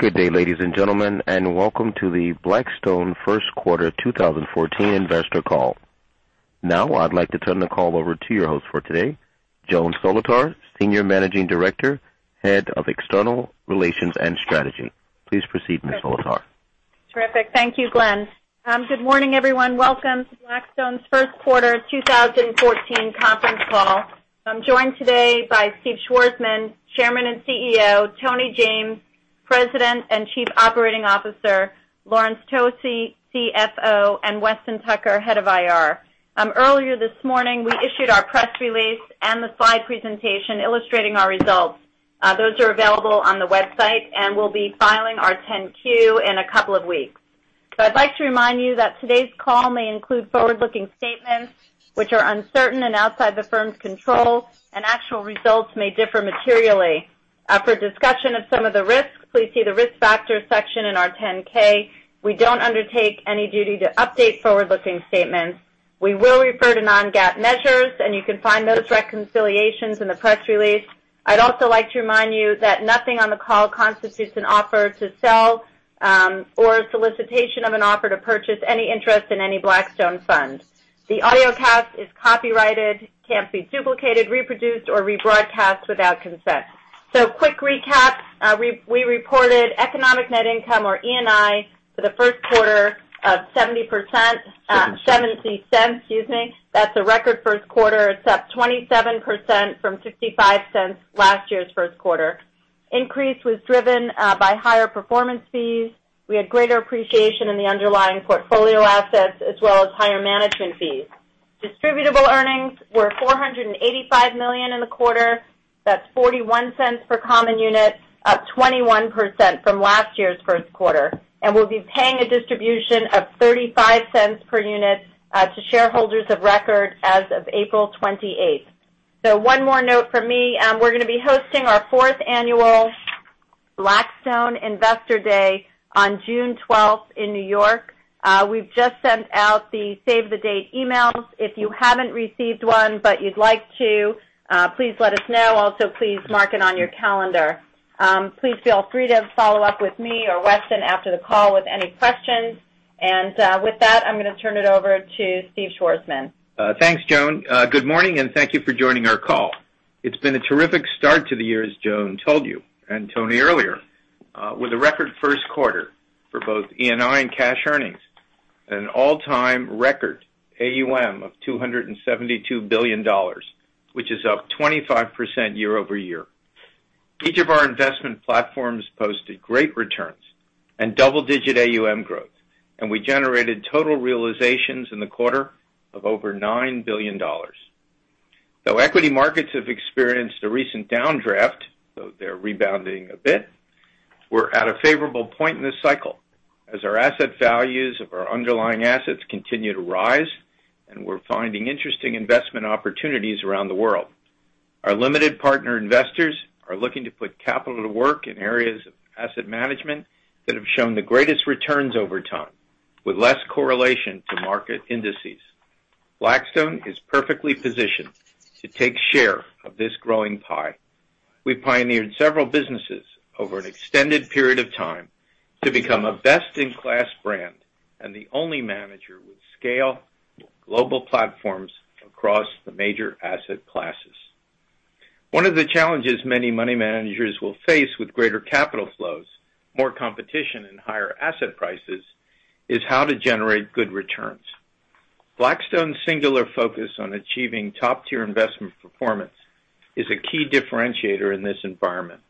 Good day, ladies and gentlemen, welcome to the Blackstone Q1 2014 investor call. I'd like to turn the call over to your host for today, Joan Solotar, Senior Managing Director, Head of External Relations and Strategy. Please proceed, Ms. Solotar. Terrific. Thank you, Glenn. Good morning, everyone. Welcome to Blackstone's Q1 2014 conference call. I'm joined today by Steve Schwarzman, Chairman and CEO, Tony James, President and Chief Operating Officer, Laurence Tosi, CFO, and Weston Tucker, Head of IR. Earlier this morning, we issued our press release and the slide presentation illustrating our results. Those are available on the website, we'll be filing our 10-Q in a couple of weeks. I'd like to remind you that today's call may include forward-looking statements which are uncertain and outside the firm's control, actual results may differ materially. For a discussion of some of the risks, please see the Risk Factors section in our 10-K. We don't undertake any duty to update forward-looking statements. We will refer to non-GAAP measures, you can find those reconciliations in the press release. I'd also like to remind you that nothing on the call constitutes an offer to sell or a solicitation of an offer to purchase any interest in any Blackstone funds. The audiocast is copyrighted, it can't be duplicated, reproduced, or rebroadcast without consent. Quick recap. We reported economic net income, or ENI, for the first quarter of $0.70. That's a record first quarter. It's up 27% from $0.65 last year's first quarter. Increase was driven by higher performance fees. We had greater appreciation in the underlying portfolio assets as well as higher management fees. Distributable earnings were $485 million in the quarter. That's $0.41 per common unit, up 21% from last year's first quarter. We'll be paying a distribution of $0.35 per unit to shareholders of record as of April 28th. One more note from me. We're going to be hosting our fourth annual Blackstone Investor Day on June 12th in New York. We've just sent out the save the date emails. If you haven't received one but you'd like to, please let us know. Please mark it on your calendar. Please feel free to follow up with me or Weston after the call with any questions. With that, I'm going to turn it over to Steve Schwarzman. Thanks, Joan. Good morning. Thank you for joining our call. It's been a terrific start to the year, as Joan told you, and Tony earlier with a record first quarter for both ENI and cash earnings, an all-time record AUM of $272 billion, which is up 25% year-over-year. Each of our investment platforms posted great returns and double-digit AUM growth. We generated total realizations in the quarter of over $9 billion. Though equity markets have experienced a recent downdraft, though they're rebounding a bit, we're at a favorable point in this cycle as our asset values of our underlying assets continue to rise, and we're finding interesting investment opportunities around the world. Our limited partner investors are looking to put capital to work in areas of asset management that have shown the greatest returns over time, with less correlation to market indices. Blackstone is perfectly positioned to take share of this growing pie. We pioneered several businesses over an extended period of time to become a best-in-class brand and the only manager with scale global platforms across the major asset classes. One of the challenges many money managers will face with greater capital flows, more competition and higher asset prices is how to generate good returns. Blackstone's singular focus on achieving top-tier investment performance is a key differentiator in this environment.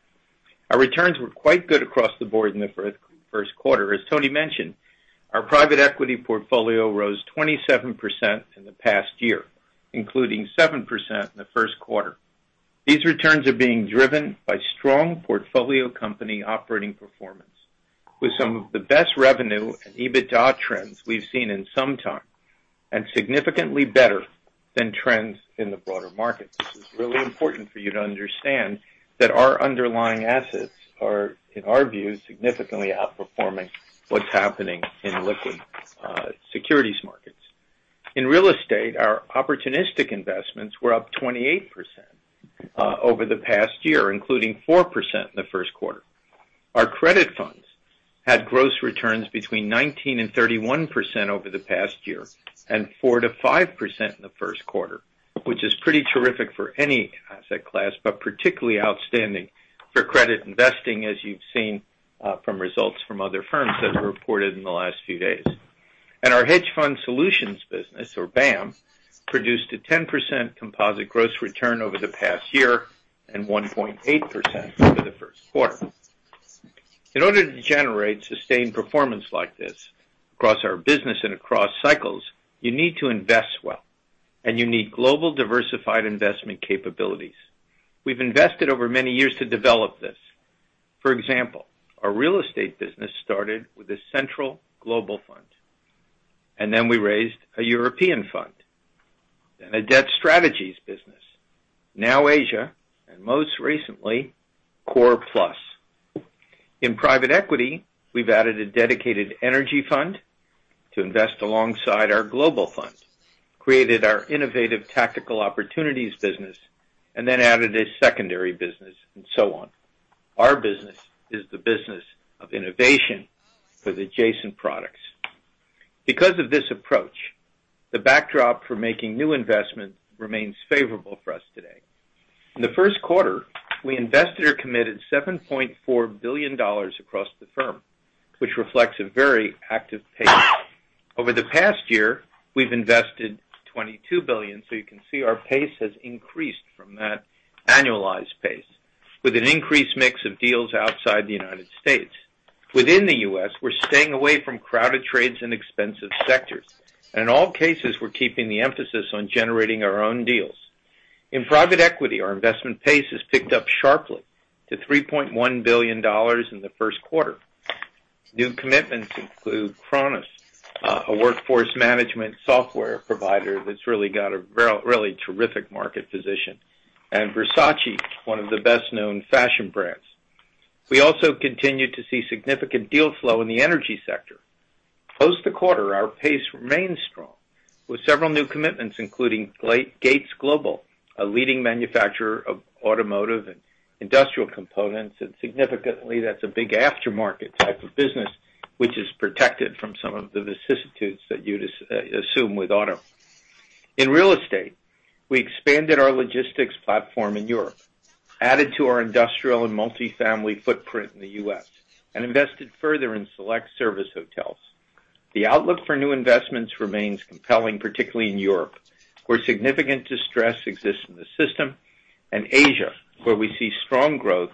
Our returns were quite good across the board in the first quarter. As Tony mentioned, our private equity portfolio rose 27% in the past year, including 7% in the first quarter. These returns are being driven by strong portfolio company operating performance with some of the best revenue and EBITDA trends we've seen in some time. Significantly better than trends in the broader market, which is really important for you to understand that our underlying assets are, in our view, significantly outperforming what's happening in liquid securities markets. In real estate, our opportunistic investments were up 28% over the past year, including 4% in the first quarter. Our credit funds had gross returns between 19% and 31% over the past year, and 4% to 5% in the first quarter, which is pretty terrific for any asset class, but particularly outstanding for credit investing, as you've seen from results from other firms that have reported in the last few days. Our Hedge Fund Solutions business, or BAAM, produced a 10% composite gross return over the past year and 1.8% for the first quarter. In order to generate sustained performance like this across our business and across cycles, you need to invest well. You need global diversified investment capabilities. We've invested over many years to develop this. For example, our real estate business started with a central global fund. Then we raised a European fund and a debt strategies business. Now Asia, most recently Core+. In private equity, we've added a dedicated energy fund to invest alongside our global fund, created our innovative Tactical Opportunities business. Then added a secondary business, and so on. Our business is the business of innovation for the adjacent products. Because of this approach, the backdrop for making new investments remains favorable for us today. In the first quarter, we invested or committed $7.4 billion across the firm, which reflects a very active pace. Over the past year, we've invested $22 billion. You can see our pace has increased from that annualized pace, with an increased mix of deals outside the United States. Within the U.S., we're staying away from crowded trades and expensive sectors. In all cases, we're keeping the emphasis on generating our own deals. In private equity, our investment pace has picked up sharply to $3.1 billion in the first quarter. New commitments include Kronos, a workforce management software provider that's really got a really terrific market position, and Versace, one of the best-known fashion brands. We also continue to see significant deal flow in the energy sector. Post the quarter, our pace remains strong, with several new commitments, including Gates Global, a leading manufacturer of automotive and industrial components, and significantly, that's a big aftermarket type of business, which is protected from some of the vicissitudes that you'd assume with auto. In real estate, we expanded our logistics platform in Europe, added to our industrial and multifamily footprint in the U.S., and invested further in select service hotels. The outlook for new investments remains compelling, particularly in Europe, where significant distress exists in the system, and Asia, where we see strong growth,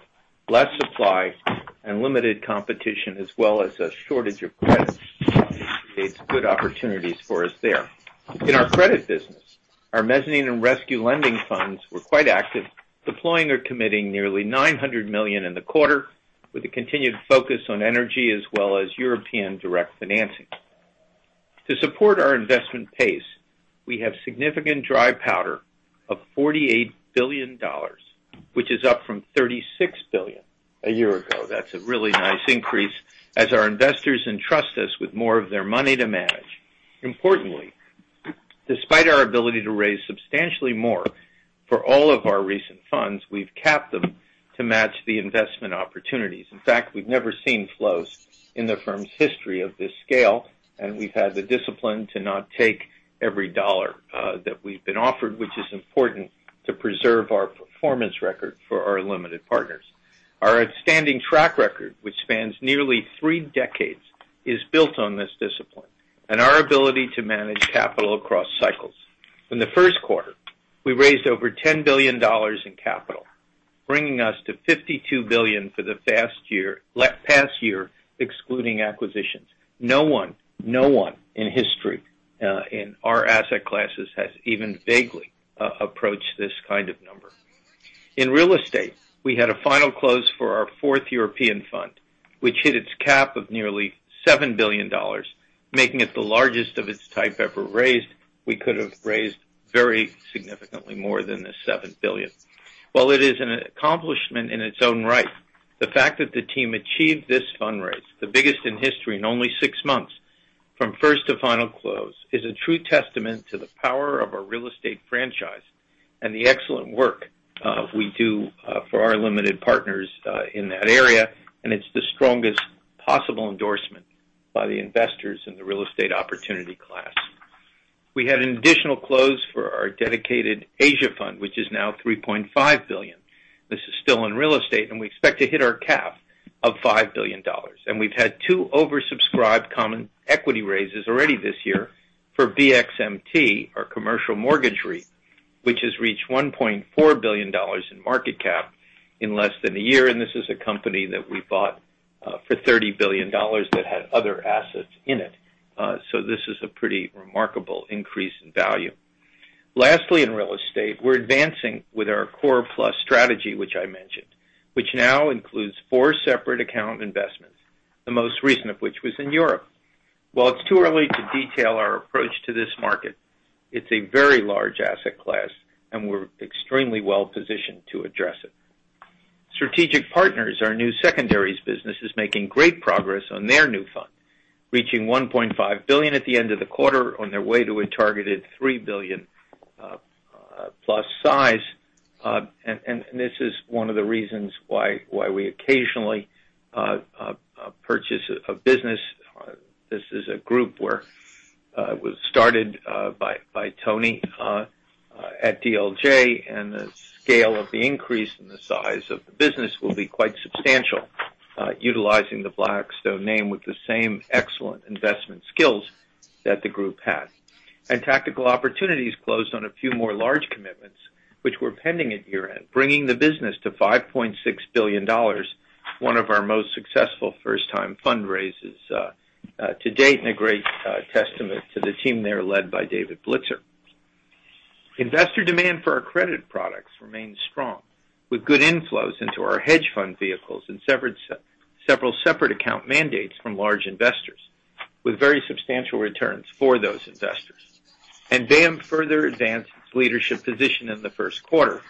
less supply, and limited competition, as well as a shortage of credits. It creates good opportunities for us there. In our credit business, our mezzanine and rescue lending funds were quite active, deploying or committing nearly $900 million in the quarter, with a continued focus on energy as well as European direct financing. To support our investment pace, we have significant dry powder of $48 billion, which is up from $36 billion a year ago. That's a really nice increase as our investors entrust us with more of their money to manage. Importantly, despite our ability to raise substantially more for all of our recent funds, we've capped them to match the investment opportunities. In fact, we've never seen flows in the firm's history of this scale, and we've had the discipline to not take every dollar that we've been offered, which is important to preserve our performance record for our limited partners. Our outstanding track record, which spans nearly three decades, is built on this discipline and our ability to manage capital across cycles. In the first quarter, we raised over $10 billion in capital, bringing us to $52 billion for the past year, excluding acquisitions. No one in history in our asset classes has even vaguely approached this kind of number. In real estate, we had a final close for our fourth European fund, which hit its cap of nearly $7 billion, making it the largest of its type ever raised. We could have raised very significantly more than the $7 billion. While it is an accomplishment in its own right, the fact that the team achieved this fundraise, the biggest in history in only six months, from first to final close, is a true testament to the power of our real estate franchise and the excellent work we do for our limited partners in that area, and it's the strongest possible endorsement by the investors in the real estate opportunity class. We had an additional close for our dedicated Asia fund, which is now $3.5 billion. This is still in real estate, we expect to hit our cap of $5 billion. We've had two oversubscribed common equity raises already this year for BXMT, our commercial mortgage REIT, which has reached $1.4 billion in market cap in less than a year, and this is a company that we bought for $30 billion that had other assets in it. This is a pretty remarkable increase in value. Lastly, in real estate, we're advancing with our Core+ strategy which I mentioned, which now includes four separate account investments, the most recent of which was in Europe. While it's too early to detail our approach to this market, it's a very large asset class, and we're extremely well-positioned to address it. Strategic Partners, our new secondaries business, is making great progress on their new fund, reaching $1.5 billion at the end of the quarter on their way to a targeted $3 billion-plus size. This is one of the reasons why we occasionally purchase a business. This is a group was started by Tony at DLJ, and the scale of the increase in the size of the business will be quite substantial, utilizing the Blackstone name with the same excellent investment skills that the group had. Tactical Opportunities closed on a few more large commitments, which were pending at year-end, bringing the business to $5.6 billion, one of our most successful first-time fundraisers to date, and a great testament to the team there led by David Blitzer. Investor demand for our credit products remains strong, with good inflows into our hedge fund vehicles and several separate account mandates from large investors, with very substantial returns for those investors. BAAM further advanced its leadership position in the first quarter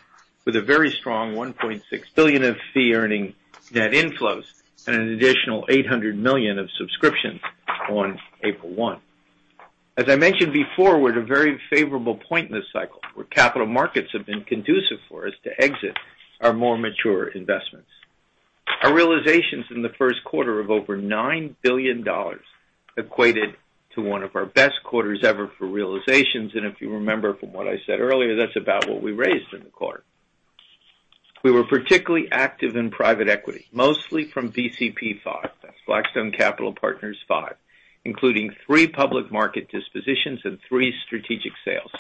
with a very strong $1.6 billion of fee earning net inflows and an additional $800 million of subscriptions on April 1. As I mentioned before, we're at a very favorable point in this cycle, where capital markets have been conducive for us to exit our more mature investments. Our realizations in the first quarter of over $9 billion equated to one of our best quarters ever for realizations, and if you remember from what I said earlier, that's about what we raised in the quarter. We were particularly active in private equity, mostly from BCP V. That's Blackstone Capital Partners V, including three public market dispositions and three strategic sales.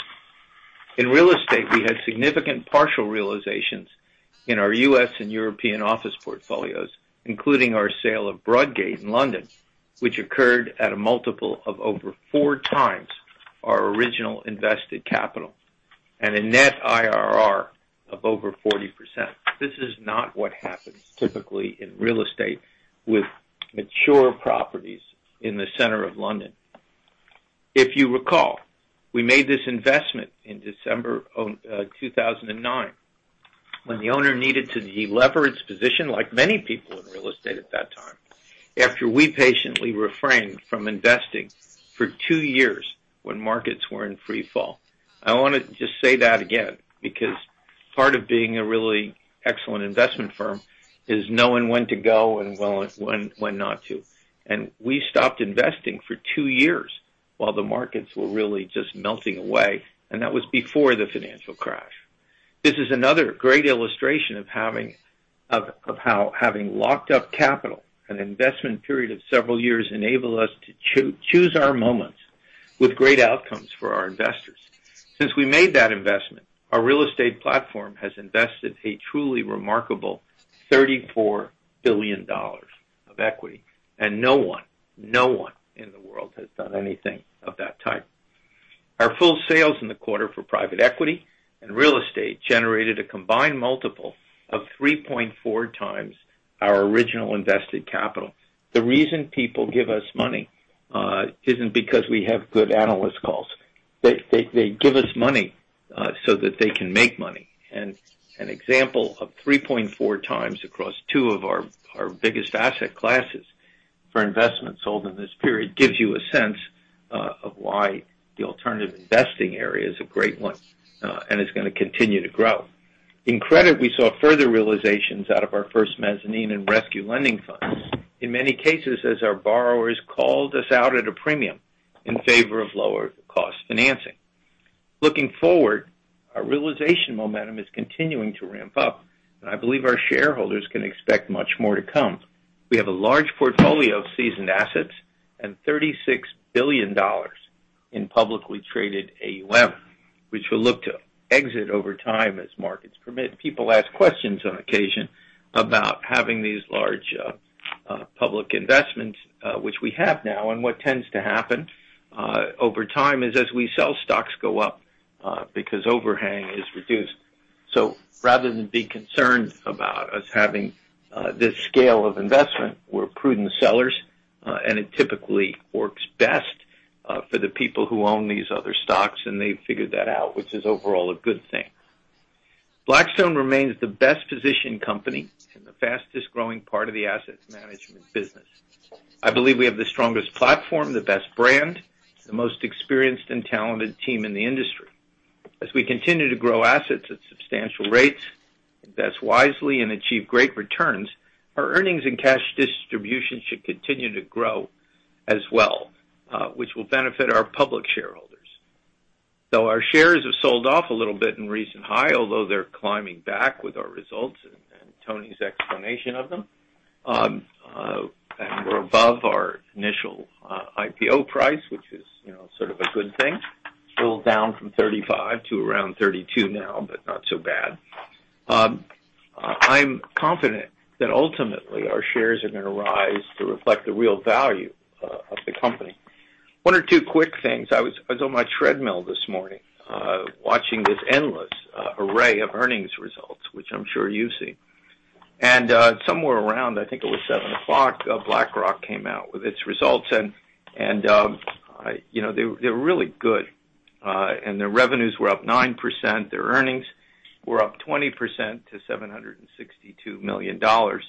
In real estate, we had significant partial realizations in our U.S. and European office portfolios, including our sale of Broadgate in London, which occurred at a multiple of over four times our original invested capital and a net IRR of over 40%. This is not what happens typically in real estate with mature properties in the center of London. If you recall, we made this investment in December of 2009, when the owner needed to delever its position, like many people in real estate at that time, after we patiently refrained from investing for two years when markets were in free fall. I want to just say that again, because part of being a really excellent investment firm is knowing when to go and when not to. We stopped investing for two years while the markets were really just melting away, and that was before the financial crash. This is another great illustration of how having locked up capital, an investment period of several years enable us to choose our moments with great outcomes for our investors. Since we made that investment, our real estate platform has invested a truly remarkable $34 billion of equity, and no one in the world has done anything of that type. Our full sales in the quarter for private equity and real estate generated a combined multiple of 3.4x our original invested capital. The reason people give us money isn't because we have good analyst calls. They give us money so that they can make money. An example of 3.4x across two of our biggest asset classes for investments sold in this period gives you a sense of why the alternative investing area is a great one and is going to continue to grow. In credit, we saw further realizations out of our first mezzanine and rescue lending funds. In many cases, as our borrowers called us out at a premium in favor of lower cost financing. Looking forward, our realization momentum is continuing to ramp up, and I believe our shareholders can expect much more to come. We have a large portfolio of seasoned assets and $36 billion in publicly traded AUM, which we'll look to exit over time as markets permit. People ask questions on occasion about having these large public investments, which we have now. What tends to happen over time is as we sell, stocks go up because overhang is reduced. Rather than be concerned about us having this scale of investment, we're prudent sellers, and it typically works best for the people who own these other stocks, and they've figured that out, which is overall a good thing. Blackstone remains the best positioned company in the fastest-growing part of the assets management business. I believe we have the strongest platform, the best brand, the most experienced and talented team in the industry. As we continue to grow assets at substantial rates, invest wisely and achieve great returns, our earnings and cash distribution should continue to grow as well, which will benefit our public shareholders. Though our shares have sold off a little bit in recent high, although they're climbing back with our results and Tony's explanation of them. We're above our initial IPO price, which is sort of a good thing. Still down from 35 to around 32 now, but not so bad. I'm confident that ultimately our shares are going to rise to reflect the real value of the company. One or two quick things. I was on my treadmill this morning watching this endless array of earnings results, which I'm sure you've seen. Somewhere around, I think it was 7:00, BlackRock came out with its results, and they were really good. Their revenues were up 9%, their earnings were up 20% to $762 million. That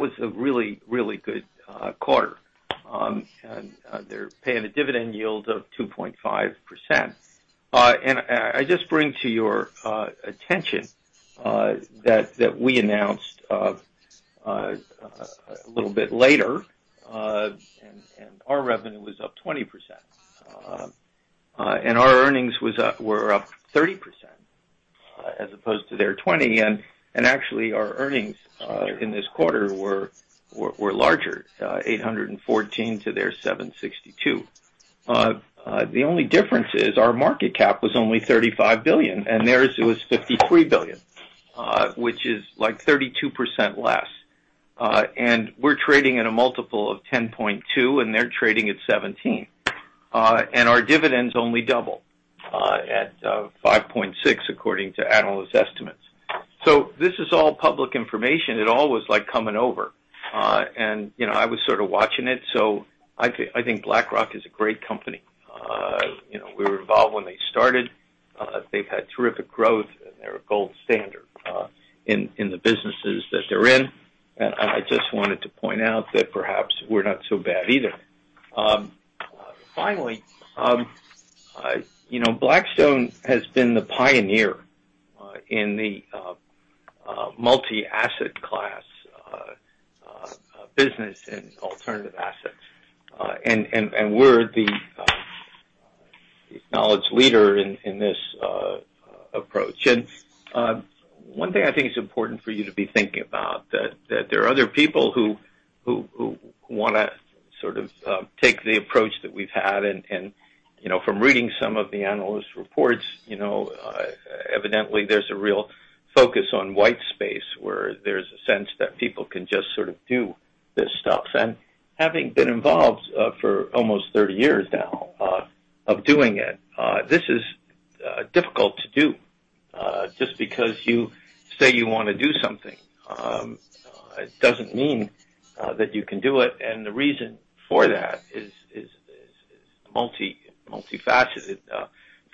was a really good quarter. They're paying a dividend yield of 2.5%. I just bring to your attention that we announced a little bit later, our revenue was up 20%. Our earnings were up 30%, as opposed to their 20%. Actually, our earnings in this quarter were larger, $814 to their $762. The only difference is our market cap was only $35 billion, and theirs was $53 billion, which is like 32% less. We're trading at a multiple of 10.2, and they're trading at 17. Our dividend's only double at 5.6 according to analyst estimates. This is all public information. It all was coming over. I was sort of watching it. I think BlackRock is a great company. We were involved when they started. They've had terrific growth, and they're a gold standard in the businesses that they're in. I just wanted to point out that perhaps we're not so bad either. Finally, Blackstone has been the pioneer in the multi-asset class business in alternative assets. We're the acknowledged leader in this approach. One thing I think is important for you to be thinking about that there are other people who want to sort of take the approach that we've had. From reading some of the analyst reports, evidently there's a real focus on white space where there's a sense that people can just sort of do this stuff. Having been involved for almost 30 years now of doing it, this is difficult to do. Just because you say you want to do something, it doesn't mean that you can do it. The reason for that is multifaceted.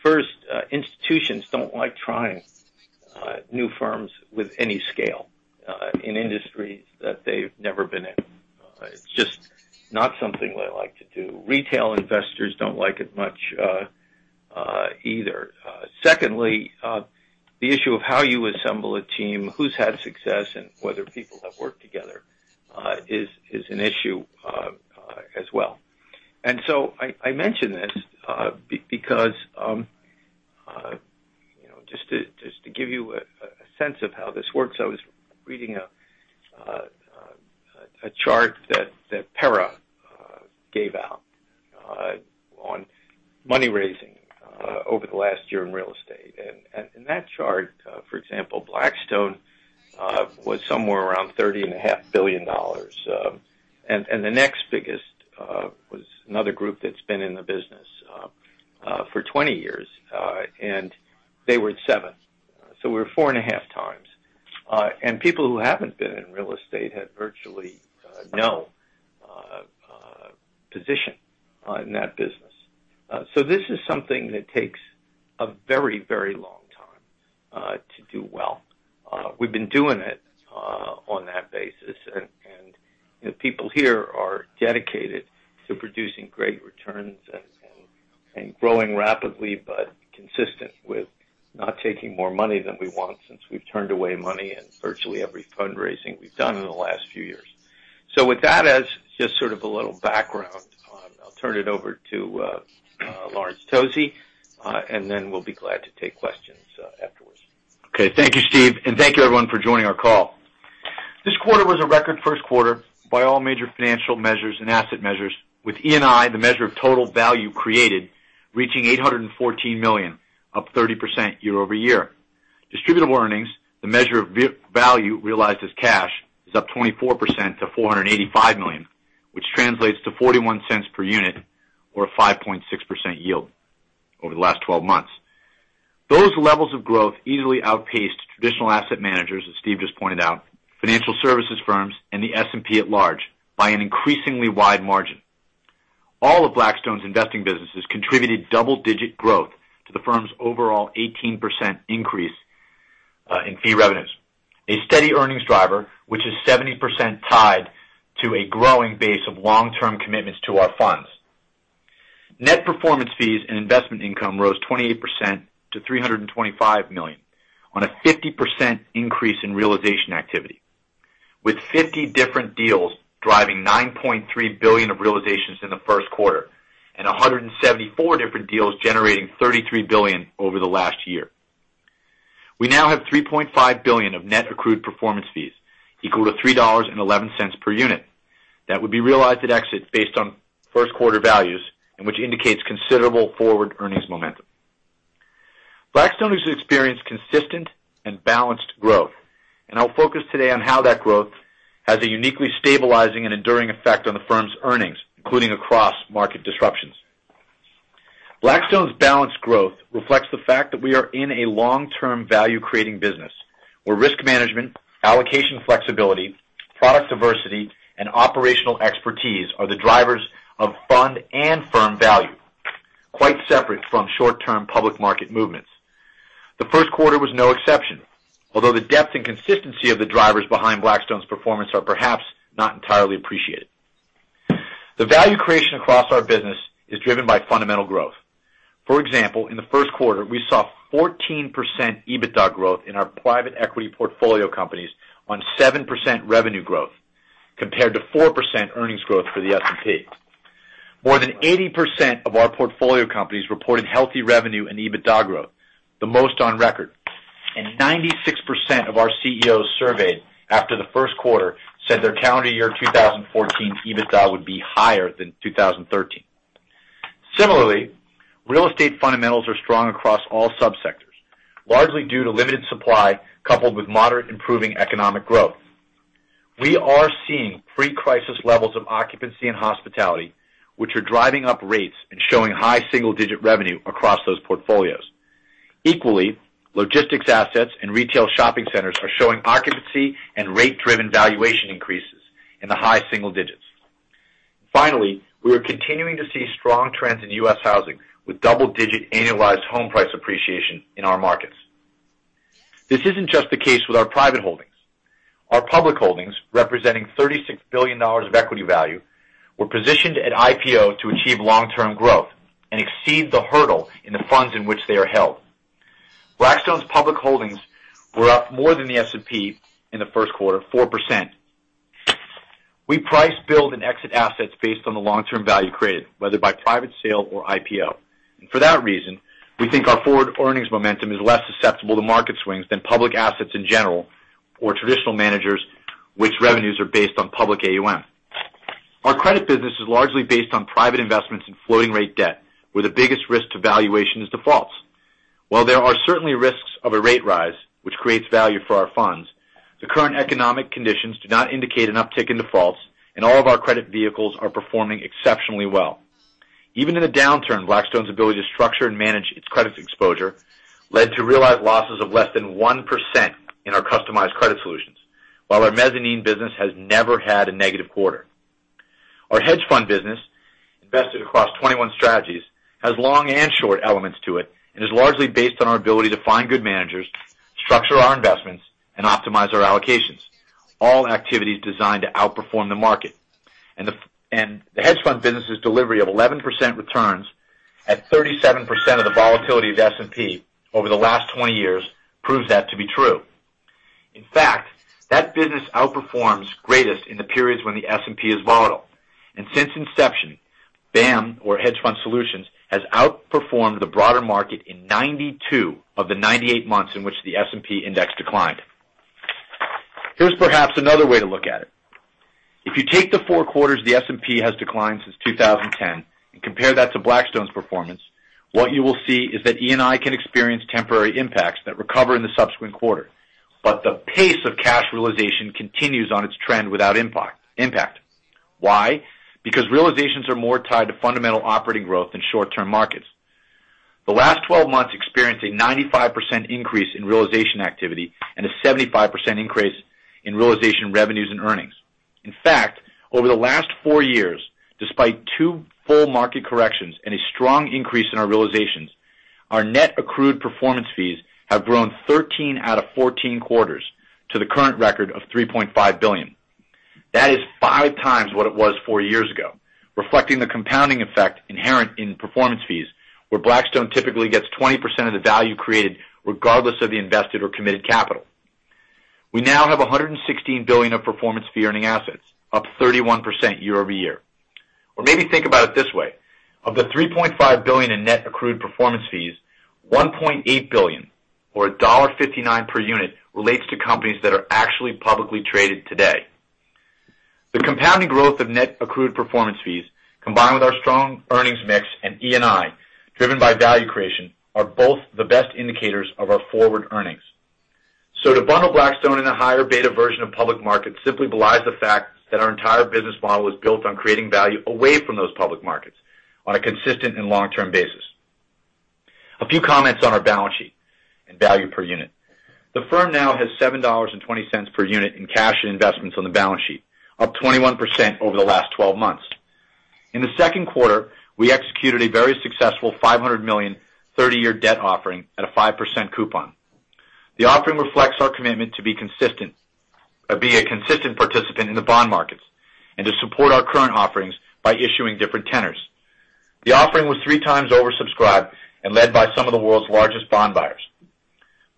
First, institutions don't like trying new firms with any scale in industries that they've never been in. It's just not something they like to do. Retail investors don't like it much either. Secondly, the issue of how you assemble a team, who's had success, and whether people have worked together is an issue as well. I mention this because just to give you a sense of how this works, I was reading a chart that PERE gave out on money raising over the last year in real estate. In that chart, for example, Blackstone was somewhere around $30.5 billion. The next biggest was another group that's been in the business for 20 years, and they were at $7 billion, so we're four and a half times. People who haven't been in real estate had virtually no position in that business. This is something that takes a very long time to do well. We've been doing it on that basis, the people here are dedicated to producing great returns and growing rapidly, but consistent with not taking more money than we want since we've turned away money in virtually every fundraising we've done in the last few years. With that as just sort of a little background, I'll turn it over to Laurence Tosi, then we'll be glad to take questions afterwards. Okay. Thank you, Steve. Thank you everyone for joining our call. This quarter was a record first quarter by all major financial measures and asset measures with ENI, the measure of total value created, reaching $814 million, up 30% year-over-year. Distributable earnings, the measure of value realized as cash, is up 24% to $485 million, which translates to $0.41 per unit or a 5.6% yield over the last 12 months. Those levels of growth easily outpaced traditional asset managers, as Steve just pointed out, financial services firms, and the S&P at large by an increasingly wide margin. All of Blackstone's investing businesses contributed double-digit growth to the firm's overall 18% increase in fee revenues. A steady earnings driver, which is 70% tied to a growing base of long-term commitments to our funds. Net performance fees and investment income rose 28% to $325 million on a 50% increase in realization activity, with 50 different deals driving $9.3 billion of realizations in the first quarter and 174 different deals generating $33 billion over the last year. We now have $3.5 billion of net accrued performance fees, equal to $3.11 per unit that would be realized at exit based on first quarter values, which indicates considerable forward earnings momentum. Blackstone has experienced consistent and balanced growth. I'll focus today on how that growth has a uniquely stabilizing and enduring effect on the firm's earnings, including across market disruptions. Blackstone's balanced growth reflects the fact that we are in a long-term value-creating business where risk management, allocation flexibility, product diversity, and operational expertise are the drivers of fund and firm value, quite separate from short-term public market movements. The first quarter was no exception, although the depth and consistency of the drivers behind Blackstone's performance are perhaps not entirely appreciated. The value creation across our business is driven by fundamental growth. For example, in the first quarter, we saw 14% EBITDA growth in our private equity portfolio companies on 7% revenue growth compared to 4% earnings growth for the S&P. More than 80% of our portfolio companies reported healthy revenue and EBITDA growth, the most on record, and 96% of our CEOs surveyed after the first quarter said their calendar year 2014 EBITDA would be higher than 2013. Similarly, real estate fundamentals are strong across all sub-sectors, largely due to limited supply coupled with moderate improving economic growth. We are seeing pre-crisis levels of occupancy and hospitality, which are driving up rates and showing high single-digit revenue across those portfolios. Equally, logistics assets and retail shopping centers are showing occupancy and rate-driven valuation increases in the high single digits. Finally, we are continuing to see strong trends in U.S. housing, with double-digit annualized home price appreciation in our markets. This isn't just the case with our private holdings. Our public holdings, representing $36 billion of equity value, were positioned at IPO to achieve long-term growth and exceed the hurdle in the funds in which they are held. Blackstone's public holdings were up more than the S&P in the first quarter, 4%. We price, build, and exit assets based on the long-term value created, whether by private sale or IPO. For that reason, we think our forward earnings momentum is less susceptible to market swings than public assets in general or traditional managers, which revenues are based on public AUM. Our credit business is largely based on private investments in floating rate debt, where the biggest risk to valuation is defaults. While there are certainly risks of a rate rise, which creates value for our funds, the current economic conditions do not indicate an uptick in defaults, and all of our credit vehicles are performing exceptionally well. Even in a downturn, Blackstone's ability to structure and manage its credit exposure led to realized losses of less than 1% in our customized credit solutions. While our mezzanine business has never had a negative quarter. Our hedge fund business, invested across 21 strategies, has long and short elements to it and is largely based on our ability to find good managers, structure our investments, and optimize our allocations. All activities designed to outperform the market. The hedge fund business' delivery of 11% returns at 37% of the volatility of S&P over the last 20 years proves that to be true. In fact, that business outperforms greatest in the periods when the S&P is volatile. Since inception, BAAM, or Hedge Fund Solutions, has outperformed the broader market in 92 of the 98 months in which the S&P index declined. Here's perhaps another way to look at it. If you take the four quarters the S&P has declined since 2010 and compare that to Blackstone's performance, what you will see is that ENI can experience temporary impacts that recover in the subsequent quarter. The pace of cash realization continues on its trend without impact. Why? Because realizations are more tied to fundamental operating growth than short-term markets. The last 12 months experienced a 95% increase in realization activity and a 75% increase in realization revenues and earnings. In fact, over the last four years, despite two full market corrections and a strong increase in our realizations, our net accrued performance fees have grown 13 out of 14 quarters to the current record of $3.5 billion. That is five times what it was four years ago, reflecting the compounding effect inherent in performance fees, where Blackstone typically gets 20% of the value created regardless of the invested or committed capital. We now have $116 billion of performance fee earning assets, up 31% year over year. Maybe think about it this way. Of the $3.5 billion in net accrued performance fees, $1.8 billion or $1.59 per unit relates to companies that are actually publicly traded today. The compounding growth of net accrued performance fees, combined with our strong earnings mix and ENI, driven by value creation, are both the best indicators of our forward earnings. To bundle Blackstone in a higher beta version of public markets simply belies the fact that our entire business model is built on creating value away from those public markets on a consistent and long-term basis. A few comments on our balance sheet and value per unit. The firm now has $7.20 per unit in cash and investments on the balance sheet, up 21% over the last 12 months. In the second quarter, we executed a very successful $500 million, 30-year debt offering at a 5% coupon. The offering reflects our commitment to be a consistent participant in the bond markets and to support our current offerings by issuing different tenors. The offering was three times oversubscribed and led by some of the world's largest bond buyers.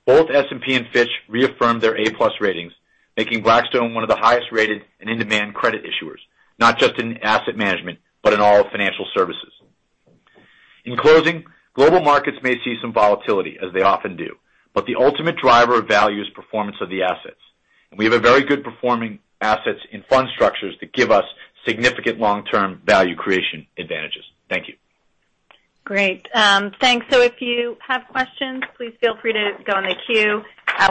Both S&P and Fitch reaffirmed their A+ ratings, making Blackstone one of the highest-rated and in-demand credit issuers, not just in asset management, but in all financial services. In closing, global markets may see some volatility, as they often do. The ultimate driver of value is performance of the assets. We have a very good performing assets in fund structures that give us significant long-term value creation advantages. Thank you. Great. Thanks. If you have questions, please feel free to go in the queue.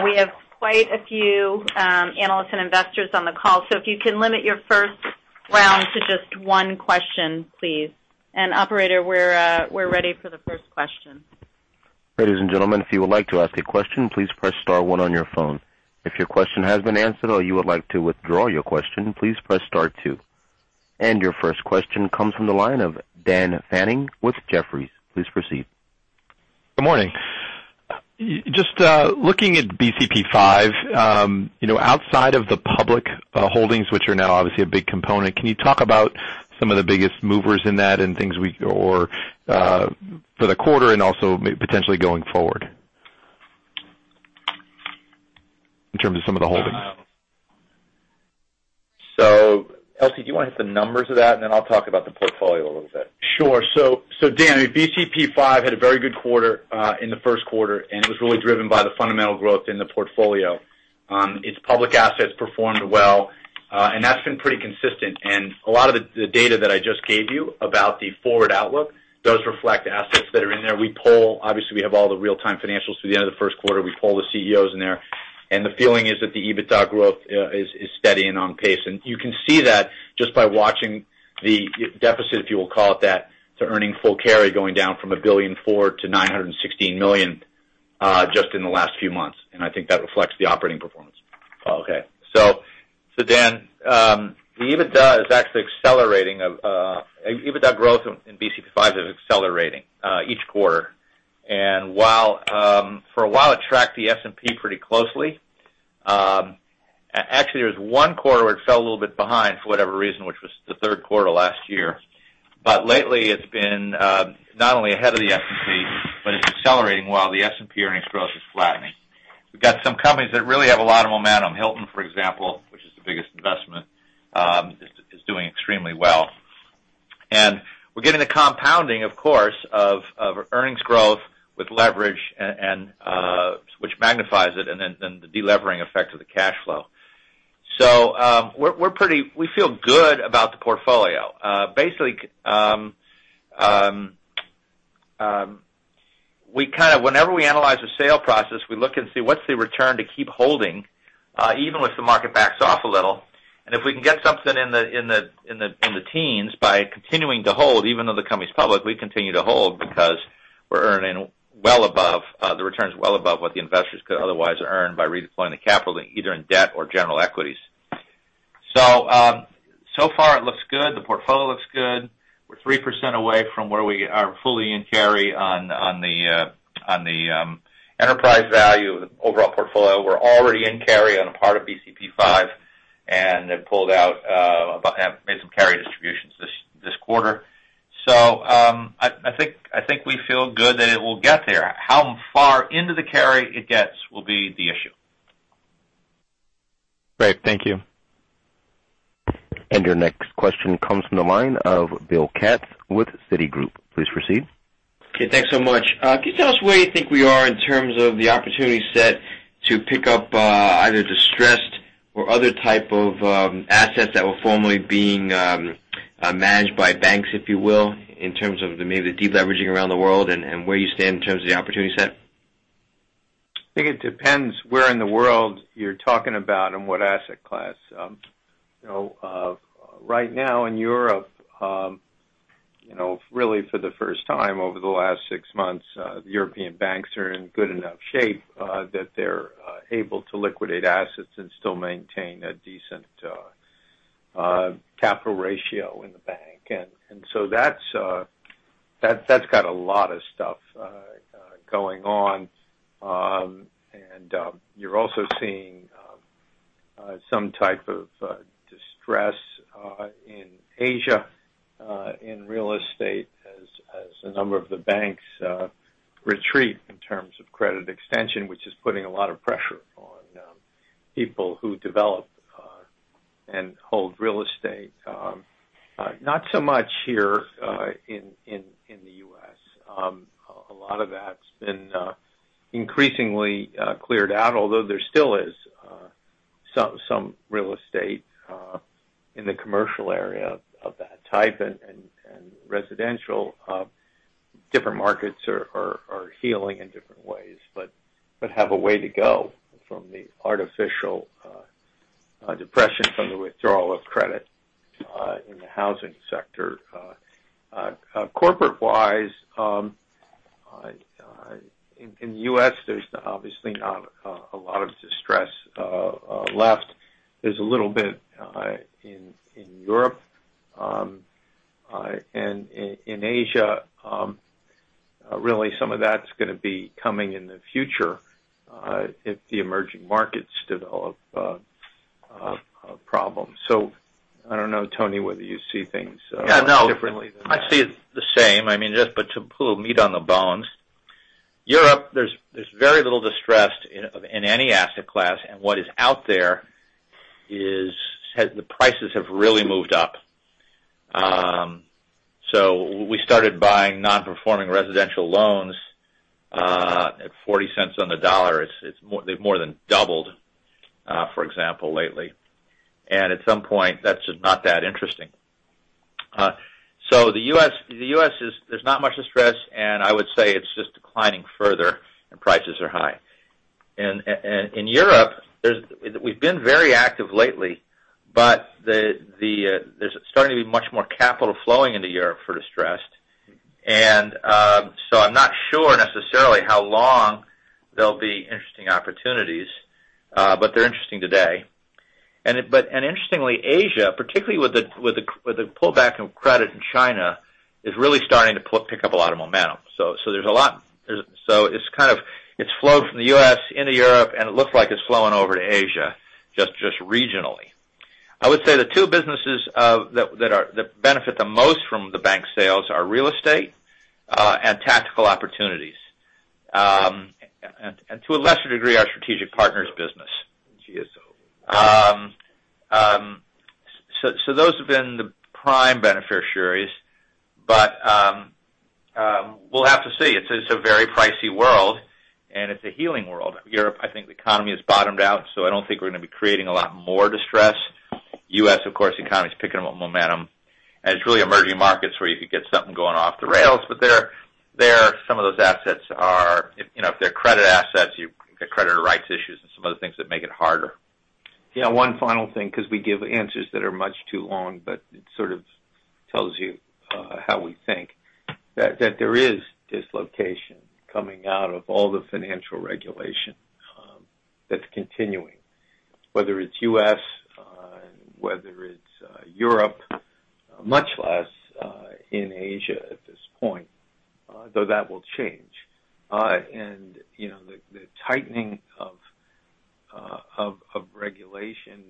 We have quite a few analysts and investors on the call, so if you can limit your first round to just one question, please. Operator, we're ready for the first question. Ladies and gentlemen, if you would like to ask a question, please press star one on your phone. If your question has been answered or you would like to withdraw your question, please press star two. Your first question comes from the line of Daniel Fannon with Jefferies. Please proceed. Good morning. Just looking at BCP V, outside of the public holdings, which are now obviously a big component, can you talk about some of the biggest movers in that for the quarter and also potentially going forward in terms of some of the holdings? LT, do you want to hit the numbers of that, then I'll talk about the portfolio a little bit. Sure. Dan, BCP V had a very good quarter in the first quarter, it was really driven by the fundamental growth in the portfolio. Its public assets performed well, that's been pretty consistent. A lot of the data that I just gave you about the forward outlook does reflect assets that are in there. Obviously, we have all the real-time financials through the end of the first quarter. We poll the CEOs in there. The feeling is that the EBITDA growth is steady and on pace. You can see that just by watching the deficit, if you will call it that, to earning full carry going down from $1.4 billion to $916 million, just in the last few months. I think that reflects the operating performance. Okay. Dan, the EBITDA is actually accelerating. EBITDA growth in BCP V is accelerating each quarter. For a while, it tracked the S&P pretty closely. Actually, there was one quarter where it fell a little bit behind for whatever reason, which was the third quarter last year. Lately, it's been not only ahead of the S&P, it's accelerating while the S&P earnings growth is flattening. We've got some companies that really have a lot of momentum. Hilton, for example, which is the biggest investment, is doing extremely well. We're getting the compounding, of course, of earnings growth with leverage, which magnifies it, then the de-levering effect of the cash flow. We feel good about the portfolio. Basically, whenever we analyze a sale process, we look and see what's the return to keep holding, even if the market backs off a little. If we can get something in the teens by continuing to hold, even though the company's public, we continue to hold because we're earning well above, the return's well above what the investors could otherwise earn by redeploying the capital, either in debt or general equities. Far it looks good. The portfolio looks good. We're 3% away from where we are fully in carry on the enterprise value of the overall portfolio. We're already in carry on a part of BCP V, have made some carry distributions this quarter. I think we feel good that it will get there. How far into the carry it gets will be the issue. Great. Thank you. Your next question comes from the line of Bill Katz with Citigroup. Please proceed. Okay. Thanks so much. Can you tell us where you think we are in terms of the opportunity set to pick up either distressed or other type of assets that were formerly being managed by banks, if you will, in terms of maybe the deleveraging around the world and where you stand in terms of the opportunity set? I think it depends where in the world you're talking about and what asset class. Right now in Europe, really for the first time over the last six months, the European banks are in good enough shape that they're able to liquidate assets and still maintain a decent capital ratio in the bank. That's got a lot of stuff going on. You're also seeing some type of distress in Asia, in real estate as a number of the banks retreat in terms of credit extension, which is putting a lot of pressure on people who develop and hold real estate. Not so much here in the U.S. A lot of that's been increasingly cleared out, although there still is some real estate in the commercial area of that type, and residential. Different markets are healing in different ways, but have a way to go from the artificial depression from the withdrawal of credit in the housing sector. Corporate-wise, in U.S., there's obviously not a lot of distress left. There's a little bit in Europe. In Asia, really some of that's going to be coming in the future, if the emerging markets develop problems. I don't know, Tony, whether you see things differently than that. Yeah, no. I see it the same. To put a little meat on the bones. Europe, there's very little distress in any asset class, and what is out there is, the prices have really moved up. We started buying non-performing residential loans at $0.40 on the dollar. They've more than doubled, for example, lately. At some point, that's just not that interesting. The U.S., there's not much distress, I would say it's just declining further and prices are high. In Europe, we've been very active lately, but there's starting to be much more capital flowing into Europe for distressed. I'm not sure necessarily how long there'll be interesting opportunities. They're interesting today. Interestingly, Asia, particularly with the pullback of credit in China, is really starting to pick up a lot of momentum. It's flowed from the U.S. into Europe, and it looks like it's flowing over to Asia, just regionally. I would say the two businesses that benefit the most from the bank sales are real estate, and Tactical Opportunities. To a lesser degree, our Strategic Partners business. GSO. Those have been the prime beneficiaries. We'll have to see. It's a very pricey world, and it's a healing world. Europe, I think the economy has bottomed out, I don't think we're going to be creating a lot more distress. U.S., of course, economy's picking up momentum, and it's really emerging markets where you could get something going off the rails. Some of those assets are, if they're credit assets, you get creditor rights issues and some other things that make it harder. One final thing, because we give answers that are much too long, it sort of tells you how we think. That there is dislocation coming out of all the financial regulation that's continuing, whether it's U.S., whether it's Europe, much less in Asia at this point, though that will change. The tightening of regulation,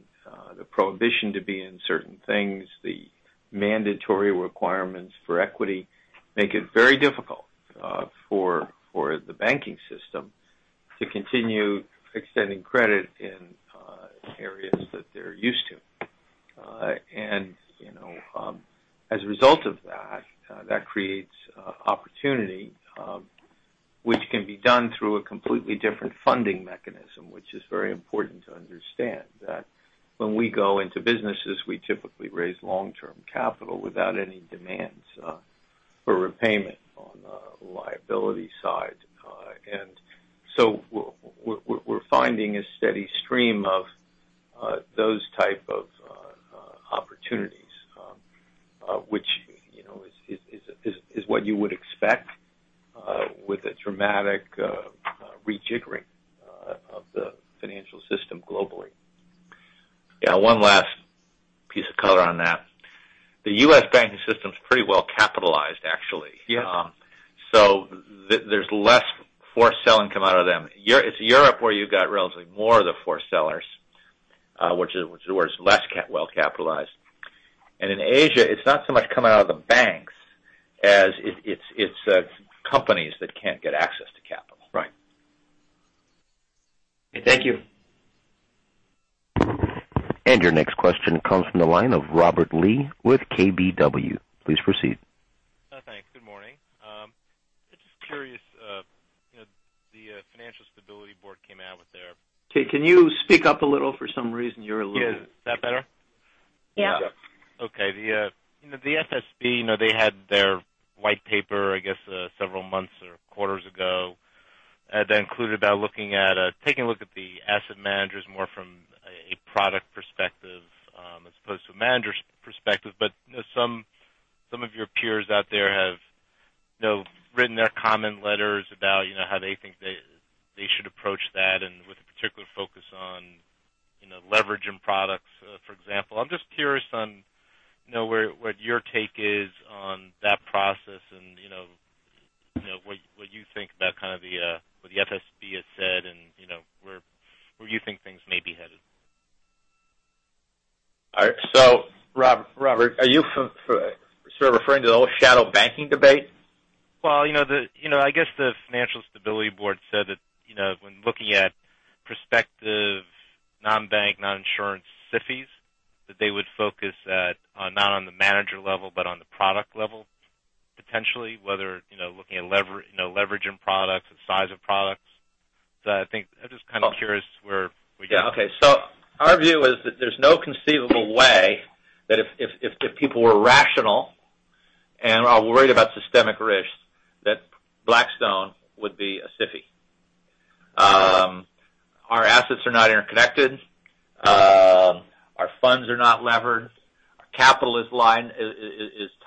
the prohibition to be in certain things, the mandatory requirements for equity, make it very difficult for the banking system to continue extending credit in areas that they're used to. As a result of that creates opportunity, which can be done through a completely different funding mechanism, which is very important to understand. That when we go into businesses, we typically raise long-term capital without any demands for repayment on the liability side. We're finding a steady stream of those type of opportunities, which is what you would expect with a dramatic rejiggering of the financial system globally. Yeah. One last piece of color on that. The U.S. banking system is pretty well capitalized, actually. Yeah. There's less forced selling come out of them. It's Europe where you've got relatively more of the forced sellers, which is less well-capitalized. In Asia, it's not so much coming out of the banks as it's companies that can't get access to capital. Right. Thank you. Your next question comes from the line of Robert Lee with KBW. Please proceed. Thanks. Good morning. Just curious, the Financial Stability Board came out with their- Can you speak up a little? For some reason, you're a little- Is that better? Yeah. Okay. The FSB, they had their white paper, I guess, several months or quarters ago. They included about taking a look at the asset managers more from a product perspective as opposed to a manager perspective. Some of your peers out there have written their comment letters about how they think they should approach that and with a particular focus on leveraging products, for example. I'm just curious on what your take is on that process and what you think about kind of what the FSB has said and where you think things may be headed. Robert, are you sort of referring to the whole shadow banking debate? I guess the Financial Stability Board said that when looking at prospective non-bank, non-insurance SIFIs, that they would focus not on the manager level but on the product level, potentially, whether looking at leveraging products and size of products. I think I'm just kind of curious where we go. Okay. Our view is that there's no conceivable way that if people were rational and are worried about systemic risk, that Blackstone would be a SIFI. Our assets are not interconnected. Our funds are not levered. Our capital is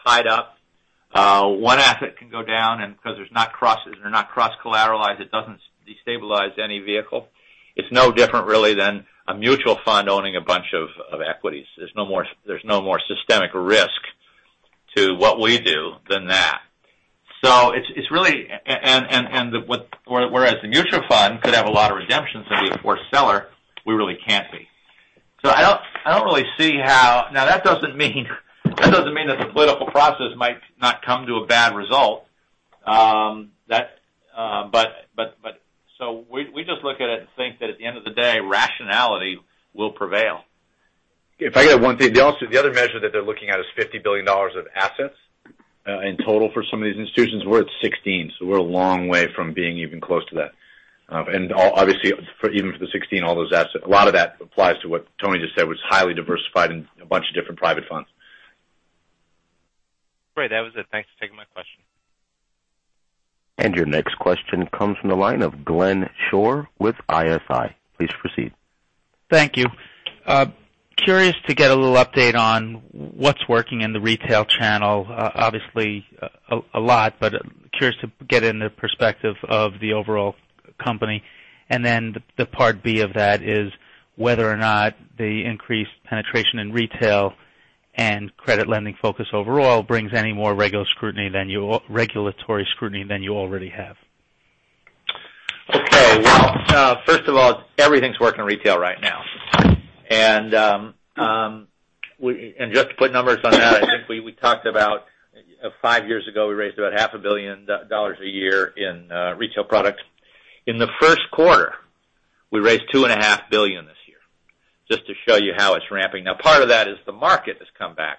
tied up. One asset can go down, and because they're not cross-collateralized, it doesn't destabilize any vehicle. It's no different, really, than a mutual fund owning a bunch of equities. There's no more systemic risk to what we do than that. Whereas the mutual fund could have a lot of redemptions and be a forced seller, we really can't be. Now, that doesn't mean that the political process might not come to a bad result. We just look at it and think that at the end of the day, rationality will prevail. If I could add one thing. The other measure that they're looking at is $50 billion of assets in total for some of these institutions. We're at $16, we're a long way from being even close to that. Obviously, even for the $16, all those assets, a lot of that applies to what Tony just said, was highly diversified in a bunch of different private funds. Great. That was it. Thanks for taking my question. Your next question comes from the line of Glenn Schorr with ISI Group. Please proceed. Thank you. Curious to get a little update on what's working in the retail channel. Obviously, a lot, but curious to get in the perspective of the overall company. The part B of that is whether or not the increased penetration in retail and credit lending focus overall brings any more regulatory scrutiny than you already have. Okay. Well, first of all, everything's working in retail right now. Just to put numbers on that, I think we talked about five years ago, we raised about half a billion dollars a year in retail products. In the first quarter, we raised two and a half billion this year, just to show you how it's ramping. Part of that is the market has come back,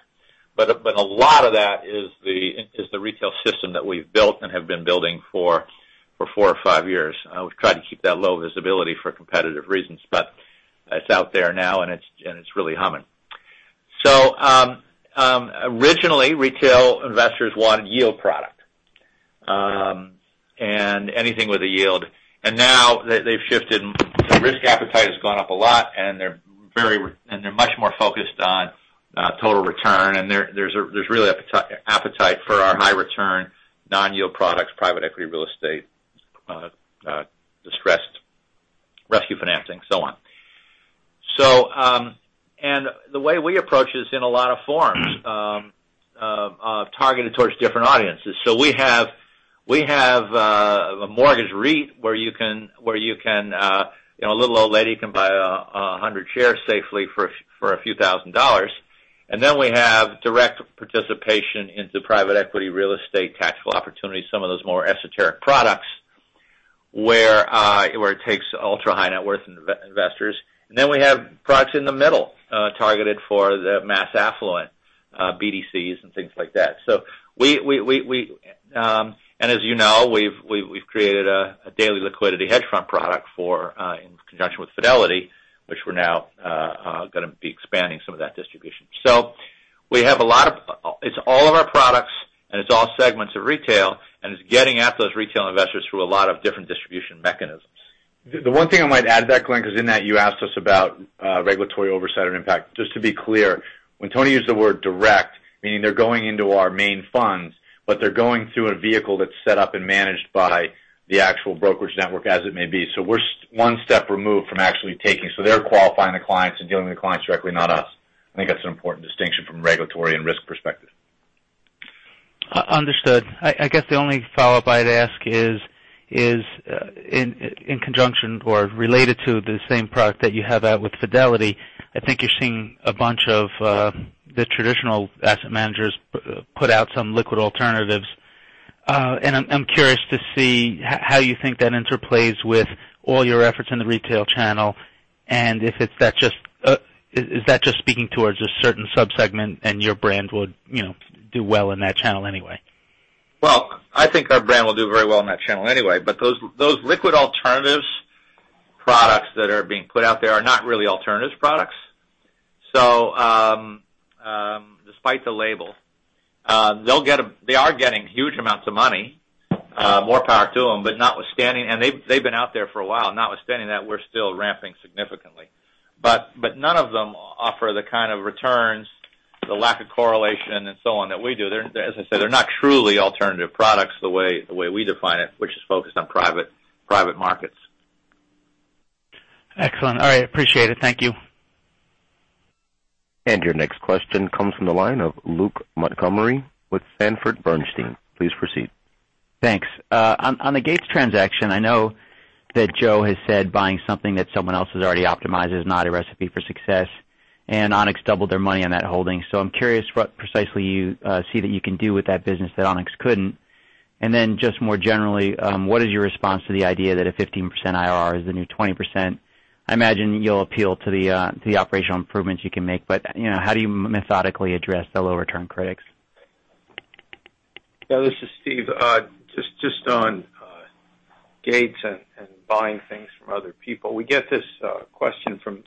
but a lot of that is the retail system that we've built and have been building for four or five years. We've tried to keep that low visibility for competitive reasons, but it's out there now, and it's really humming. Originally, retail investors wanted yield product and anything with a yield. Now they've shifted. Risk appetite has gone up a lot, and they're much more focused on total return. There's really appetite for our high-return, non-yield products, private equity real estate, distressed rescue financing, so on. The way we approach it is in a lot of forms targeted towards different audiences. We have a mortgage REIT where a little old lady can buy 100 shares safely for a few thousand dollars. Then we have direct participation into private equity, real estate, Tactical Opportunities, some of those more esoteric products where it takes ultra-high-net-worth investors. Then we have products in the middle targeted for the mass affluent, BDCs, and things like that. As you know, we've created a daily liquidity hedge fund product in conjunction with Fidelity, which we're now going to be expanding some of that distribution. It's all of our products, and it's all segments of retail, and it's getting at those retail investors through a lot of different distribution mechanisms. The one thing I might add to that, Glenn, because in that you asked us about regulatory oversight and impact. Just to be clear, when Tony used the word direct, meaning they're going into our main funds, but they're going through a vehicle that's set up and managed by the actual brokerage network as it may be. We're one step removed from actually taking. They're qualifying the clients and dealing with clients directly, not us. I think that's an important distinction from a regulatory and risk perspective. Understood. I guess the only follow-up I'd ask is in conjunction or related to the same product that you have out with Fidelity. I think you're seeing a bunch of the traditional asset managers put out some liquid alternatives. I'm curious to see how you think that interplays with all your efforts in the retail channel. Is that just speaking towards a certain subsegment and your brand would do well in that channel anyway? Well, I think our brand will do very well in that channel anyway. Those liquid alternatives products that are being put out there are not really alternatives products. Despite the label. They are getting huge amounts of money. More power to them. They've been out there for a while. Notwithstanding that, we're still ramping significantly. None of them offer the kind of returns, the lack of correlation, and so on that we do. As I said, they're not truly alternative products the way we define it, which is focused on private markets. Excellent. All right. Appreciate it. Thank you. Your next question comes from the line of Luke Montgomery with Sanford Bernstein. Please proceed. Thanks. On the Gates transaction, I know that Joe has said buying something that someone else has already optimized is not a recipe for success, and Onex doubled their money on that holding. I'm curious what precisely you see that you can do with that business that Onex couldn't. Then just more generally, what is your response to the idea that a 15% IRR is the new 20%? I imagine you'll appeal to the operational improvements you can make. How do you methodically address the lower return critics? Yeah, this is Steve. Just on Gates and buying things from other people. We get this question from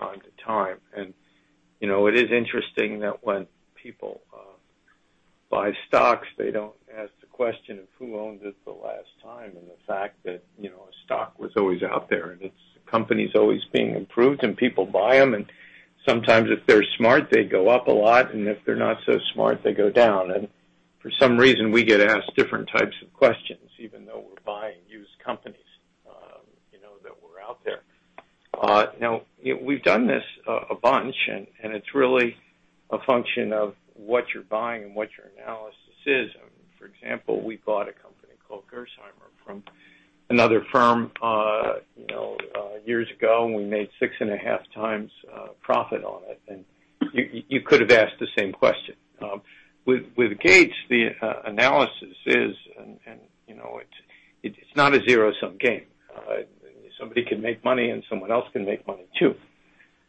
time to time. It is interesting that when people buy stocks, they don't ask the question of who owned it the last time. The fact that a stock was always out there, and the company's always being improved, and people buy them. Sometimes if they're smart, they go up a lot, and if they're not so smart, they go down. For some reason, we get asked different types of questions, even though we're buying used companies that were out there. We've done this a bunch, and it's really a function of what you're buying and what your analysis is. For example, we bought a company called Gerresheimer from another firm years ago, and we made six and a half times profit on it. You could have asked the same question. With Gates, the analysis is, it's not a zero-sum game. Somebody can make money, and someone else can make money, too.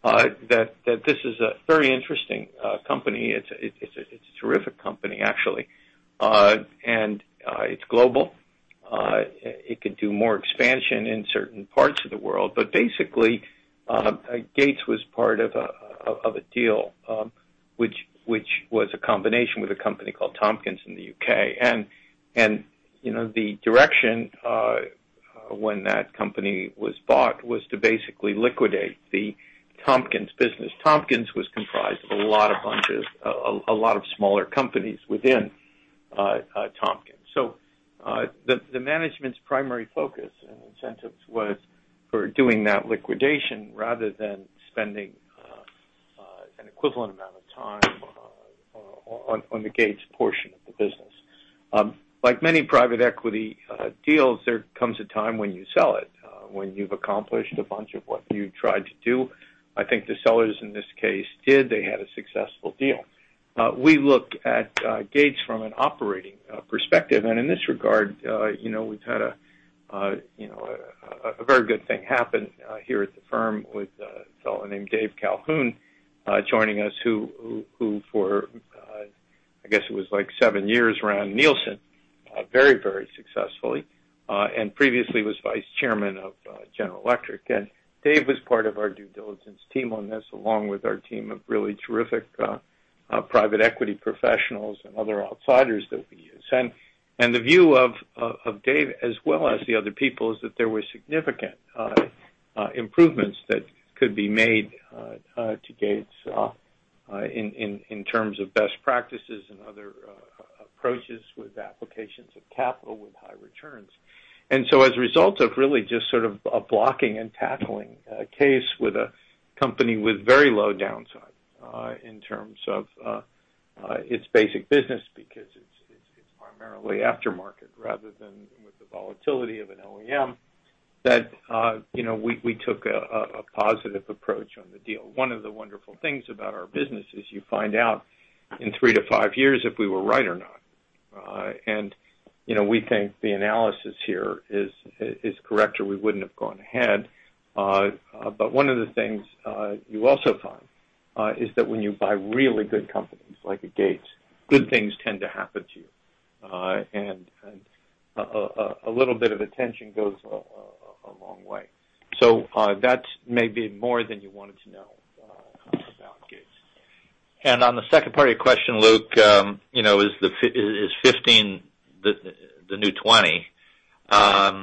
This is a very interesting company. It's a terrific company, actually. It's global. It could do more expansion in certain parts of the world. Basically, Gates was part of a deal which was a combination with a company called Tomkins in the U.K. The direction when that company was bought was to basically liquidate the Tomkins business. Tomkins was comprised of a lot of smaller companies within Tomkins. The management's primary focus and incentives was for doing that liquidation rather than spending an equivalent amount of time on the Gates portion of the business. Like many private equity deals, there comes a time when you sell it, when you've accomplished a bunch of what you tried to do. I think the sellers in this case did. They had a successful deal. We look at Gates from an operating perspective. In this regard, we've had a very good thing happen here at the firm with a fellow named David Calhoun joining us who for I guess it was seven years ran Nielsen very successfully, and previously was vice chairman of General Electric. Dave was part of our due diligence team on this, along with our team of really terrific private equity professionals and other outsiders that we use. The view of Dave, as well as the other people, is that there were significant improvements that could be made to Gates in terms of best practices and other approaches with applications of capital with high returns. As a result of really just sort of a blocking and tackling a case with a company with very low downside in terms of its basic business because it's primarily aftermarket rather than with the volatility of an OEM that we took a positive approach on the deal. One of the wonderful things about our business is you find out in three to five years if we were right or not. We think the analysis here is correct or we wouldn't have gone ahead. One of the things you also find is that when you buy really good companies like a Gates, good things tend to happen to you. A little bit of attention goes a long way. That's maybe more than you wanted to know about Gates. On the second part of your question, Luke, is 15 the new 20? I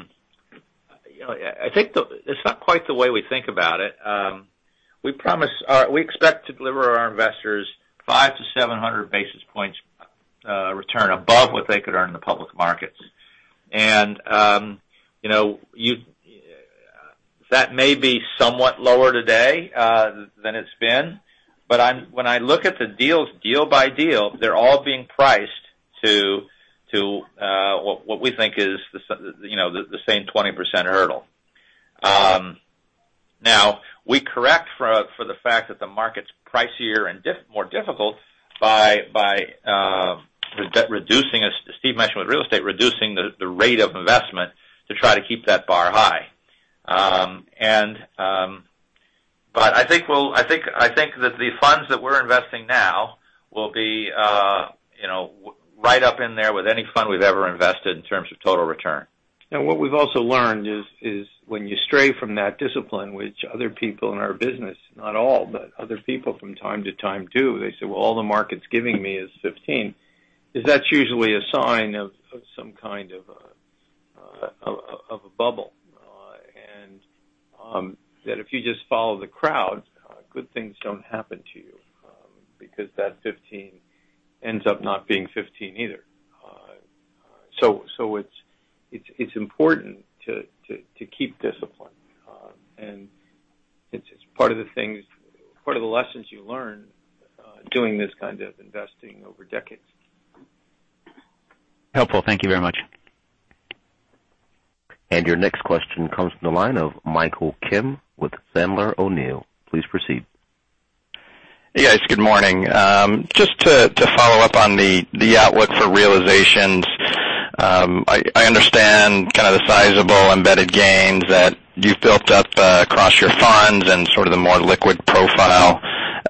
think that's not quite the way we think about it. We expect to deliver our investors 500 to 700 basis points return above what they could earn in the public markets. That may be somewhat lower today than it's been. When I look at the deals, deal by deal, they're all being priced to what we think is the same 20% hurdle. Now, we correct for the fact that the market's pricier and more difficult by reducing, as Steve mentioned with real estate, reducing the rate of investment to try to keep that bar high. I think that the funds that we're investing now will be right up in there with any fund we've ever invested in terms of total return. What we've also learned is when you stray from that discipline, which other people in our business, not all, but other people from time to time do, they say, "Well, all the market's giving me is 15," is that's usually a sign of some kind of a bubble. That if you just follow the crowd, good things don't happen to you, because that 15 ends up not being 15 either. It's important to keep discipline. It's part of the lessons you learn doing this kind of investing over decades. Helpful. Thank you very much. Your next question comes from the line of Michael Kim with Sandler O'Neill. Please proceed. Yes, good morning. Just to follow up on the outlook for realizations. I understand kind of the sizable embedded gains that you've built up across your funds and sort of the more liquid profile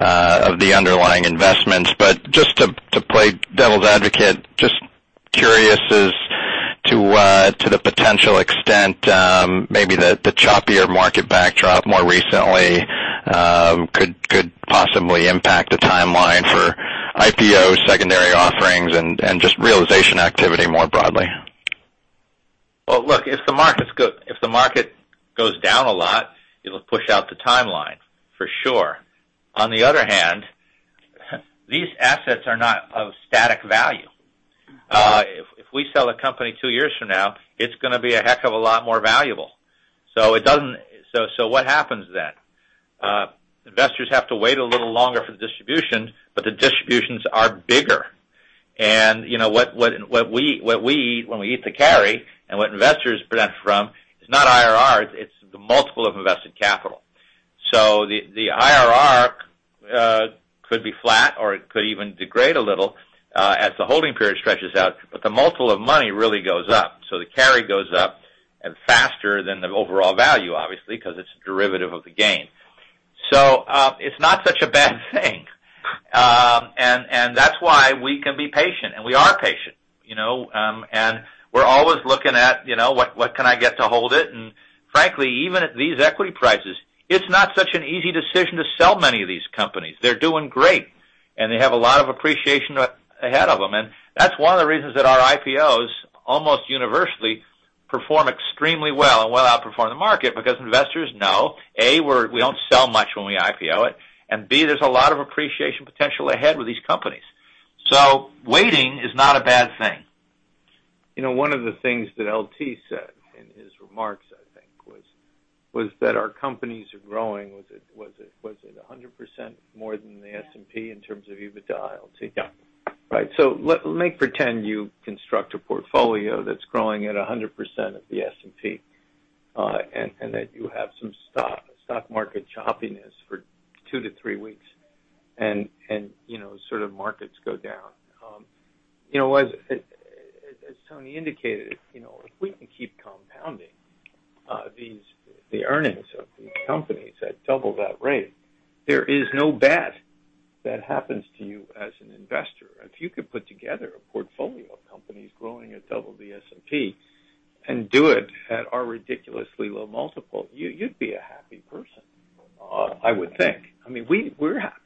of the underlying investments. Just to play devil's advocate, just curious as to the potential extent, maybe the choppier market backdrop more recently could possibly impact the timeline for IPO, secondary offerings, and just realization activity more broadly. Well, look, if the market goes down a lot, it'll push out the timeline for sure. On the other hand, these assets are not of static value. If we sell a company two years from now, it's going to be a heck of a lot more valuable. What happens then? Investors have to wait a little longer for the distribution, but the distributions are bigger. What we eat when we eat the carry, and what investors benefit from, is not IRRs, it's the multiple of invested capital. The IRR could be flat, or it could even degrade a little, as the holding period stretches out, but the multiple of money really goes up. The carry goes up and faster than the overall value, obviously, because it's a derivative of the gain. It's not such a bad thing. That's why we can be patient, and we are patient. We're always looking at what can I get to hold it? Frankly, even at these equity prices, it's not such an easy decision to sell many of these companies. They're doing great, and they have a lot of appreciation ahead of them. That's one of the reasons that our IPOs almost universally perform extremely well and well outperform the market because investors know, A, we don't sell much when we IPO it, and B, there's a lot of appreciation potential ahead with these companies. Waiting is not a bad thing. One of the things that LT said in his remarks, I think, was that our companies are growing. Was it 100% more than the S&P in terms of EBITDA, LT? Yeah. Let me pretend you construct a portfolio that's growing at 100% of the S&P, and that you have some stock market choppiness for two to three weeks, and sort of markets go down. Tony indicated, if we can keep compounding the earnings of these companies at double that rate, there is no bad that happens to you as an investor. If you could put together a portfolio of companies growing at double the S&P and do it at our ridiculously low multiple, you'd be a happy person, I would think. We're happy.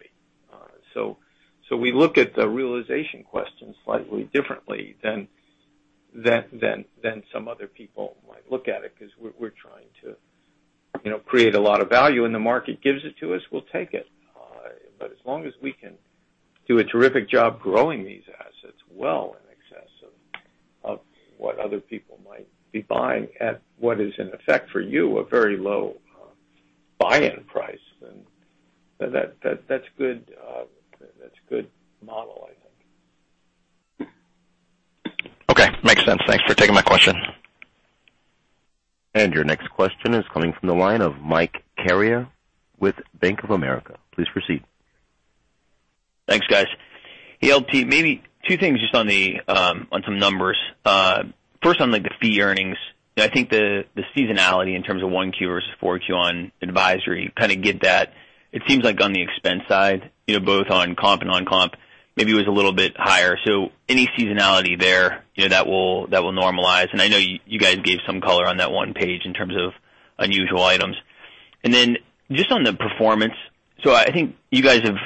We look at the realization question slightly differently than some other people might look at it, because we're trying to create a lot of value, and the market gives it to us, we'll take it. As long as we can do a terrific job growing these assets well in excess of what other people might be buying at what is in effect for you, a very low buy-in price, then that's a good model, I think. Okay. Makes sense. Thanks for taking my question. Your next question is coming from the line of Mike Carrier with Bank of America. Please proceed. Thanks, guys. Hey, LT, maybe two things just on some numbers. First on the fee earnings. I think the seasonality in terms of one Q versus four Q on advisory, kind of get that. It seems like on the expense side, both on comp and non-comp, maybe it was a little bit higher. Any seasonality there that will normalize, and I know you guys gave some color on that one page in terms of unusual items. Then just on the performance. I think you guys have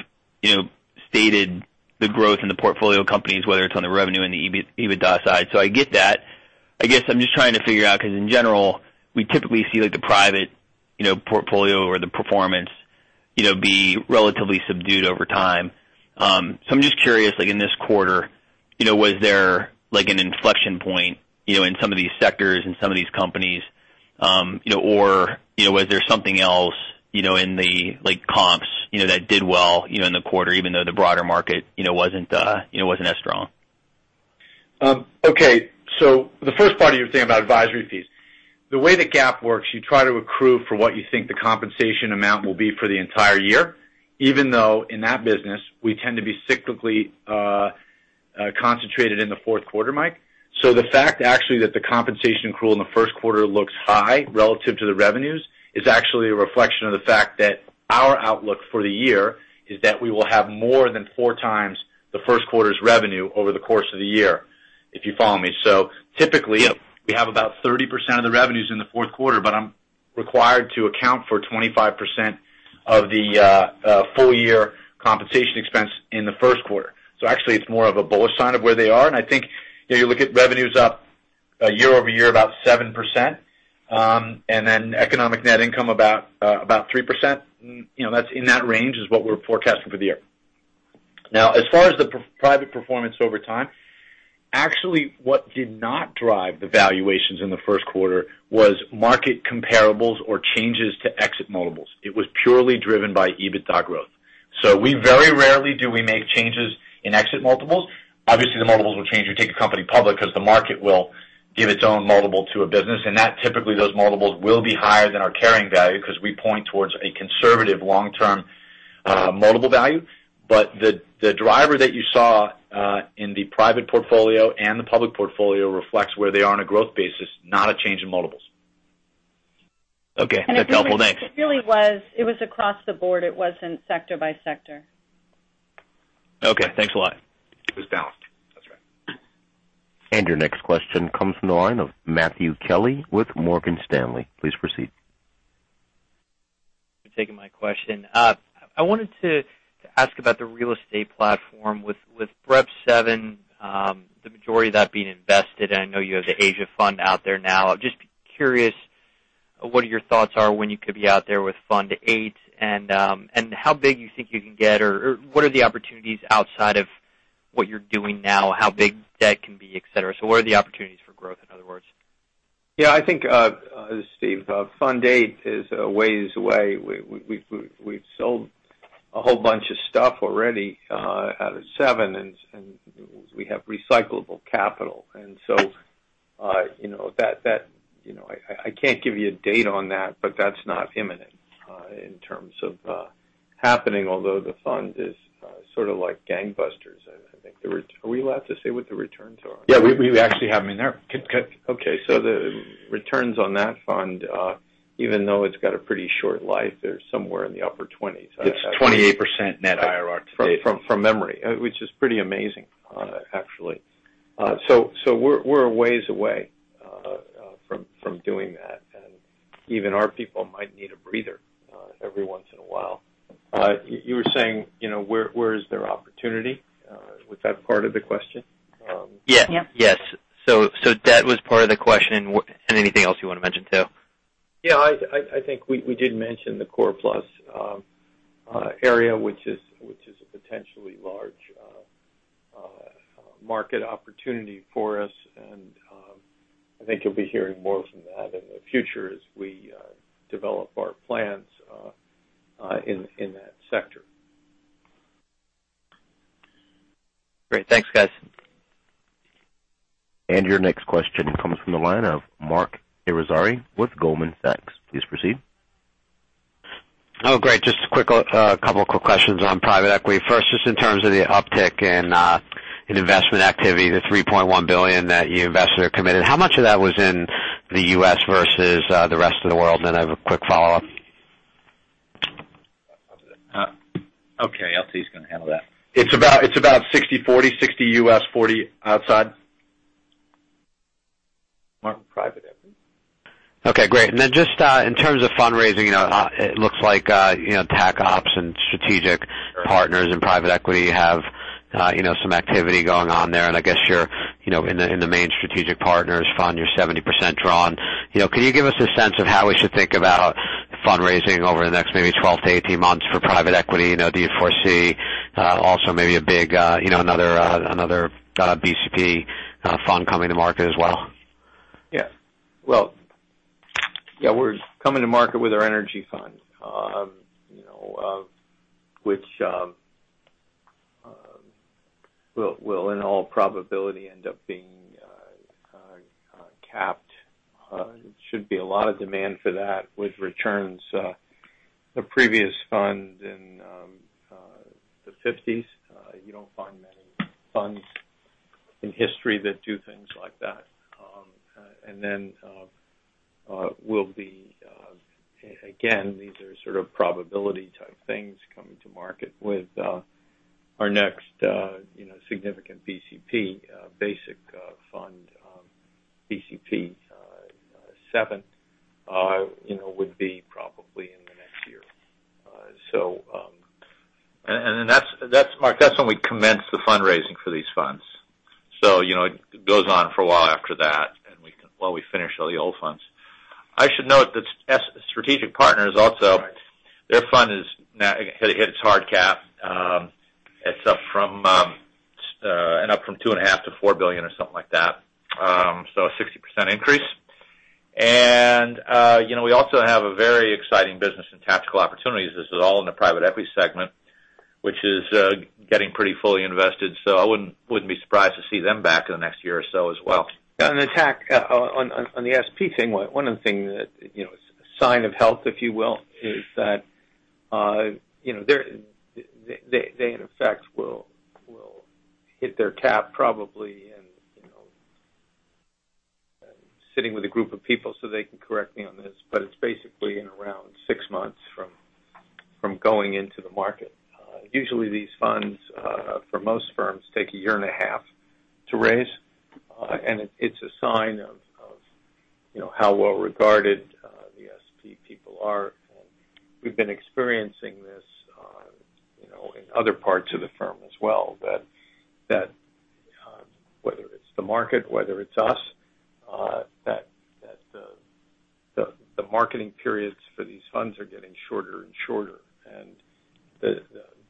stated the growth in the portfolio companies, whether it's on the revenue and the EBITDA side. I get that. I guess I'm just trying to figure out, because in general, we typically see the private portfolio or the performance be relatively subdued over time. I'm just curious, in this quarter, was there an inflection point in some of these sectors, in some of these companies? Was there something else in the comps that did well in the quarter, even though the broader market wasn't as strong? Okay. The first part of your thing about advisory fees. The way the GAAP works, you try to accrue for what you think the compensation amount will be for the entire year, even though in that business, we tend to be cyclically concentrated in the fourth quarter, Mike. The fact actually that the compensation accrual in the first quarter looks high relative to the revenues is actually a reflection of the fact that our outlook for the year is that we will have more than four times the first quarter's revenue over the course of the year, if you follow me. Typically, we have about 30% of the revenues in the fourth quarter, but I'm required to account for 25% of the full year compensation expense in the first quarter. Actually, it's more of a bullish sign of where they are, and I think you look at revenues up year-over-year about 7%, and then economic net income about 3%. In that range is what we're forecasting for the year. Now, as far as the private performance over time, actually, what did not drive the valuations in the first quarter was market comparables or changes to exit multiples. It was purely driven by EBITDA growth. Very rarely do we make changes in exit multiples. Obviously, the multiples will change if you take a company public because the market will give its own multiple to a business, and typically those multiples will be higher than our carrying value because we point towards a conservative long-term multiple value. The driver that you saw in the private portfolio and the public portfolio reflects where they are on a growth basis, not a change in multiples. Okay. That's helpful. Thanks. It really was across the board. It wasn't sector by sector. Okay. Thanks a lot. It was balanced. That's right. Your next question comes from the line of Matthew Kelly with Morgan Stanley. Please proceed. Thank you for taking my question. I wanted to ask about the real estate platform with BREP VII, the majority of that being invested, and I know you have the Asia fund out there now. Just curious what your thoughts are when you could be out there with Fund VIII, and how big you think you can get, or what are the opportunities outside of what you're doing now, how big debt can be, et cetera. What are the opportunities for growth, in other words? Yeah. This is Steve. Fund VIII is a ways away. We've sold a whole bunch of stuff already out of VII, and we have recyclable capital. I can't give you a date on that, but that's not imminent in terms of happening, although the fund is sort of like gangbusters. Are we allowed to say what the returns are? Yeah, we actually have them in there. Okay. The returns on that fund, even though it's got a pretty short life, they're somewhere in the upper twenties. It's 28% net IRR to date. From memory, which is pretty amazing, actually. We're a ways away from doing that, and even our people might need a breather every once in a while. You were saying, where is there opportunity? Was that part of the question? Yes. Yes. Debt was part of the question, and anything else you want to mention, too? Yeah, I think we did mention the Core+ area, which is a potentially large market opportunity for us, and I think you'll be hearing more from that in the future as we develop our plans in that sector. Great. Thanks, guys. Your next question comes from the line of Marc Irizarry with Goldman Sachs. Please proceed. Oh, great. Just a couple of quick questions on private equity. First, just in terms of the uptick in investment activity, the $3.1 billion that you invested or committed, how much of that was in the U.S. versus the rest of the world? I have a quick follow-up. Okay. LT is going to handle that. It's about 60-40. 60 U.S., 40 outside. Mark, private equity. Okay, great. Just in terms of fundraising, it looks like Tac Ops and Strategic Partners and private equity have some activity going on there. I guess in the main Strategic Partners fund, you're 70% drawn. Can you give us a sense of how we should think about fundraising over the next maybe 12 to 18 months for private equity? Do you foresee also maybe another BCP fund coming to market as well? Yeah. Well, we're coming to market with our energy fund, which will, in all probability, end up being capped. It should be a lot of demand for that with returns. The previous fund in the 50s. You don't find many funds in history that do things like that. Will be, again, these are sort of probability-type things coming to market with our next significant BCP, basic fund BCP VII, would be probably in the next year. Marc, that's when we commence the fundraising for these funds. It goes on for a while after that, and while we finish all the old funds. I should note that Strategic Partners also. Right Strategic Partners' fund has hit its hard cap. It's up from two and a half to $4 billion or something like that. A 60% increase. We also have a very exciting business in Tactical Opportunities. This is all in the private equity segment, which is getting pretty fully invested. I wouldn't be surprised to see them back in the next year or so as well. On the S&P thing, one of the things that, sign of health, if you will, is that they, in effect, will hit their cap probably in Sitting with a group of people, so they can correct me on this, but it's basically in around six months from going into the market. Usually, these funds for most firms take a year and a half to raise. It's a sign of how well-regarded the S&P people are. We've been experiencing this in other parts of the firm as well, that whether it's the market, whether it's us, that the marketing periods for these funds are getting shorter and shorter, and the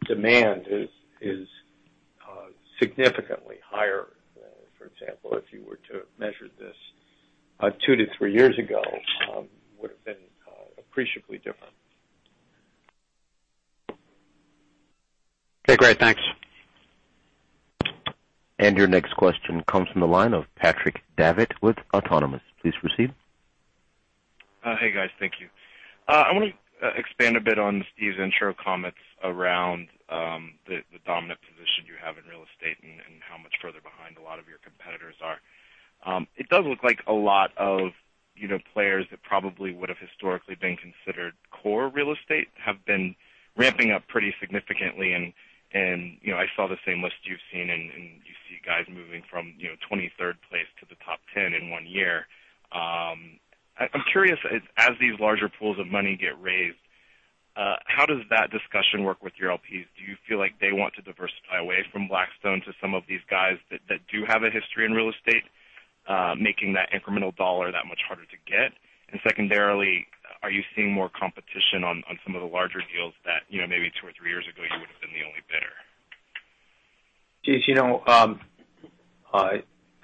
demand is significantly higher than, for example, if you were to have measured this two to three years ago, would've been appreciably different. Okay, great. Thanks. Your next question comes from the line of Patrick Davitt with Autonomous. Please proceed. Hey, guys. Thank you. I want to expand a bit on Steve's intro comments around the dominant position you have in real estate and how much further behind a lot of your competitors are. It does look like a lot of players that probably would have historically been considered core real estate have been ramping up pretty significantly. I saw the same list you've seen, and you see guys moving from 23rd place to the top 10 in one year. I'm curious, as these larger pools of money get raised, how does that discussion work with your LPs? Do you feel like they want to diversify away from Blackstone to some of these guys that do have a history in real estate, making that incremental dollar that much harder to get? secondarily, are you seeing more competition on some of the larger deals that maybe two or three years ago you would've been the only bidder?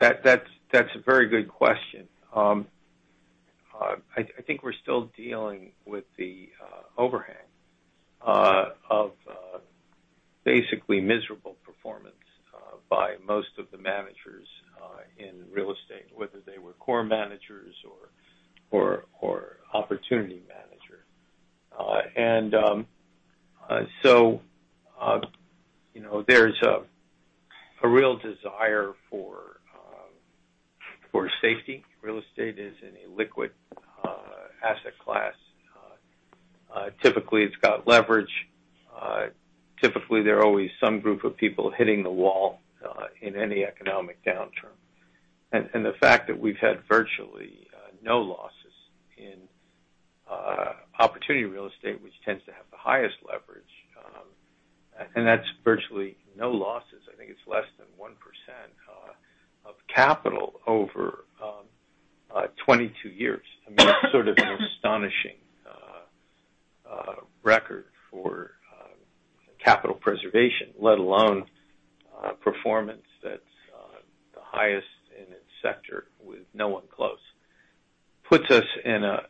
Patrick, that's a very good question. I think we're still dealing with the overhang of basically miserable performance by most of the managers in real estate, whether they were core managers or opportunity managers. So there's a real desire for safety. Real estate is an illiquid asset class. Typically, it's got leverage. Typically, there are always some group of people hitting the wall in any economic downturn. The fact that we've had virtually no losses in opportunity real estate, which tends to have the highest leverage. That's virtually no losses. I think it's less than 1% of capital over 22 years. I mean, it's sort of an astonishing record for capital preservation, let alone performance that's the highest in its sector with no one close. Puts us in a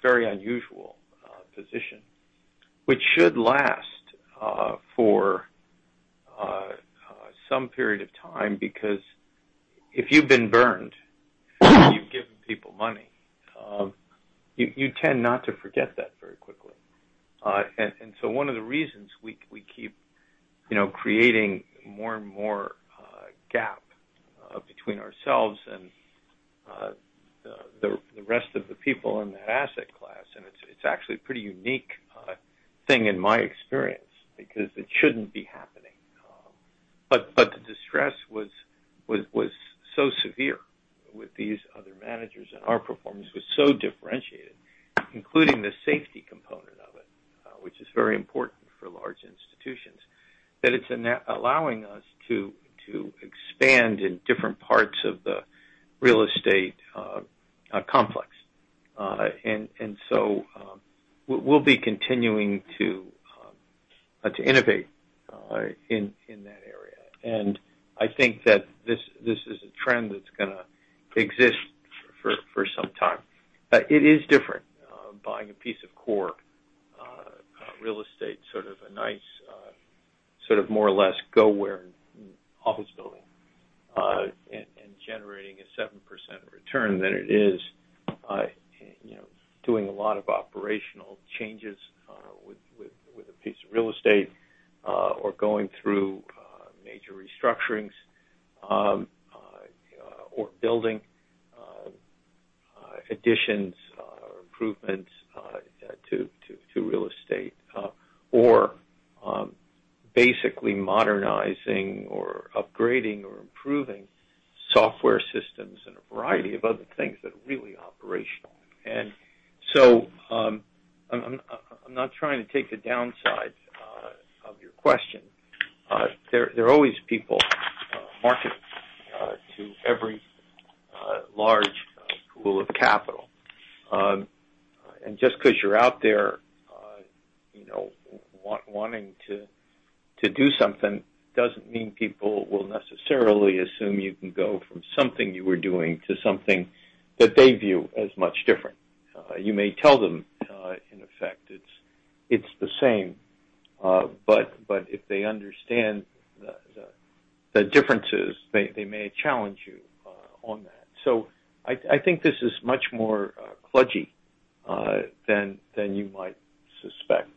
very unusual position. Which should last for some period of time, because if you've been burned, you've given people money. You tend not to forget that very quickly. One of the reasons we keep creating more and more gap between ourselves and the rest of the people in that asset class, and it's actually a pretty unique thing in my experience, because it shouldn't be happening. The distress was so severe with these other managers, and our performance was so differentiated, including the safety component of it, which is very important for large institutions, that it's allowing us to expand in different parts of the real estate complex. So we'll be continuing to innovate in that area. I think that this is a trend that's going to exist for some time. It is different buying a piece of core real estate, sort of a nice, more or less go, where an office building, and generating a 7% return than it is doing a lot of operational changes with a piece of real estate or going through major restructurings or building additions or improvements to real estate. Or basically modernizing or upgrading or improving software systems and a variety of other things that are really operational. So, I'm not trying to take the downsides of your question. There are always people marketing to every large pool of capital. Just because you're out there wanting to do something, doesn't mean people will necessarily assume you can go from something you were doing to something that they view as much different. You may tell them, in effect, it's the same. If they understand the differences, they may challenge you on that. I think this is much more kludgy than you might suspect.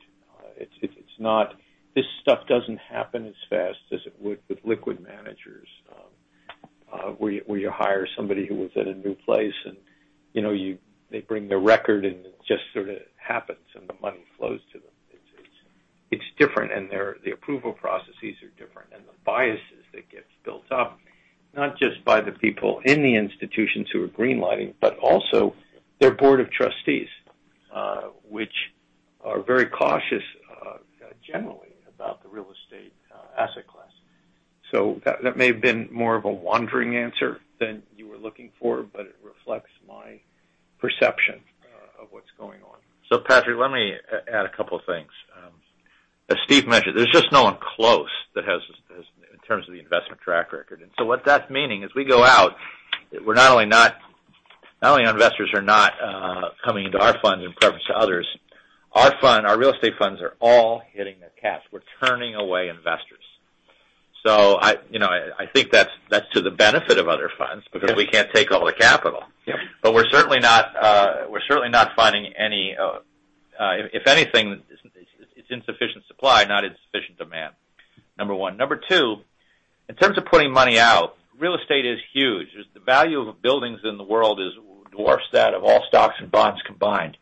This stuff doesn't happen as fast as it would with liquid managers, where you hire somebody who was at a new place, and they bring their record, and it just sort of happens, and the money flows to them. It's different, and the approval processes are different, and the biases that get built up, not just by the people in the institutions who are green-lighting, but also their board of trustees, which are very cautious, generally, about the real estate asset class. That may have been more of a wandering answer than you were looking for, but it reflects my perception of what's going on. Patrick, let me add a couple of things. As Steve mentioned, there's just no one close in terms of the investment track record. What that's meaning is we go out, not only investors are not coming into our funds in preference to others. Our real estate funds are all hitting their caps. We're turning away investors. I think that's to the benefit of other funds because we can't take all the capital. Yep. We're certainly not finding any. If anything, it's insufficient supply, not insufficient demand. Number one. Number two, in terms of putting money out, real estate is huge. The value of buildings in the world dwarfs that of all stocks and bonds combined.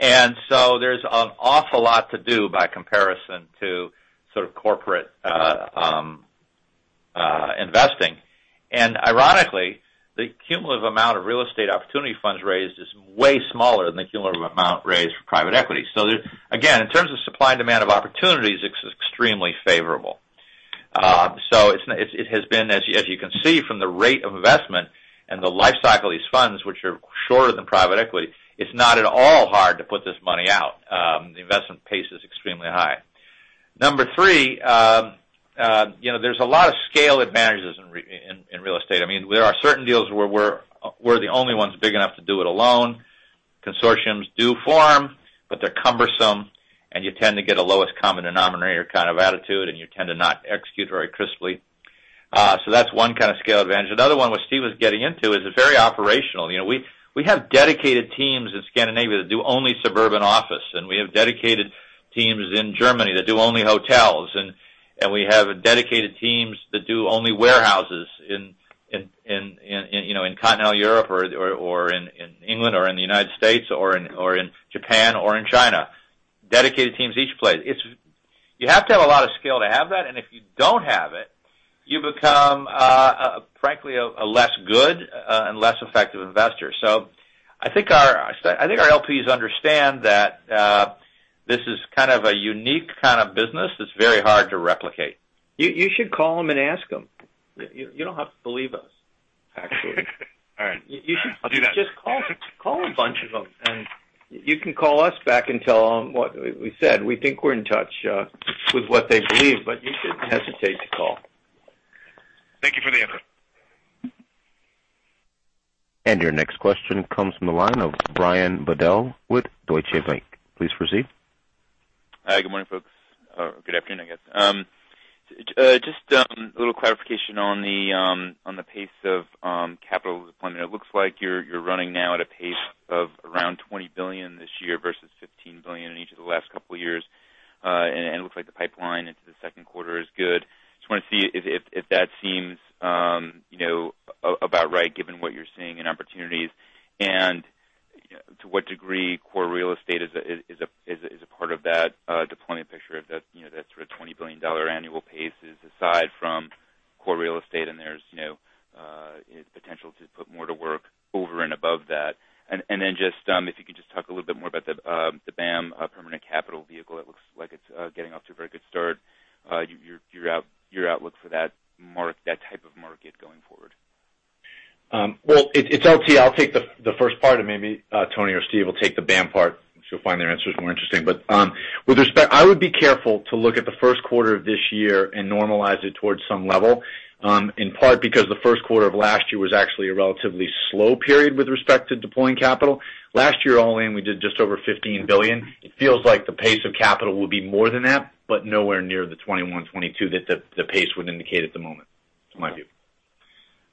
There's an awful lot to do by comparison to corporate investing. Ironically, the cumulative amount of real estate opportunity funds raised is way smaller than the cumulative amount raised for private equity. Again, in terms of supply and demand of opportunities, it's extremely favorable. It has been, as you can see from the rate of investment and the life cycle of these funds, which are shorter than private equity, it's not at all hard to put this money out. The investment pace is extremely high. Number three, there's a lot of scale advantages in real estate. There are certain deals where we're the only ones big enough to do it alone. Consortiums do form, but they're cumbersome, and you tend to get a lowest common denominator kind of attitude, and you tend to not execute very crisply. That's one kind of scale advantage. Another one, which Steve was getting into, is it's very operational. We have dedicated teams in Scandinavia that do only suburban office, and we have dedicated teams in Germany that do only hotels, and we have dedicated teams that do only warehouses in continental Europe or in England or in the U.S. or in Japan or in China. Dedicated teams each place. You have to have a lot of skill to have that. If you don't have it, you become, frankly, a less good and less effective investor. I think our LPs understand that this is kind of a unique kind of business that's very hard to replicate. You should call them and ask them. You don't have to believe us, actually. All right. I'll do that. Just call a bunch of them, and you can call us back and tell them what we said. We think we're in touch with what they believe, but you shouldn't hesitate to call. Thank you for the answer. Your next question comes from the line of Brian Bedell with Deutsche Bank. Please proceed. Hi, good morning, folks. Good afternoon, I guess. Just a little clarification on the pace of capital deployment. It looks like you're running now at a pace of around $20 billion this year versus $15 billion in each of the last couple of years. It looks like the pipeline into the second quarter is good. Just want to see if that seems about right given what you're seeing in opportunities. To what degree core real estate is a part of that deployment picture, that sort of $20 billion annual pace is aside from core real estate, and there's potential to put more to work over and above that. If you could just talk a little bit more about the BAAM permanent capital vehicle. It looks like it's getting off to a very good start. Your outlook for that type of market going forward. It's LT. I'll take the first part, and maybe Tony or Steve will take the BAAM part since you'll find their answers more interesting. I would be careful to look at the first quarter of this year and normalize it towards some level. In part because the first quarter of last year was actually a relatively slow period with respect to deploying capital. Last year, all in, we did just over $15 billion. It feels like the pace of capital will be more than that, but nowhere near the $21 billion, $22 billion that the pace would indicate at the moment, to my view.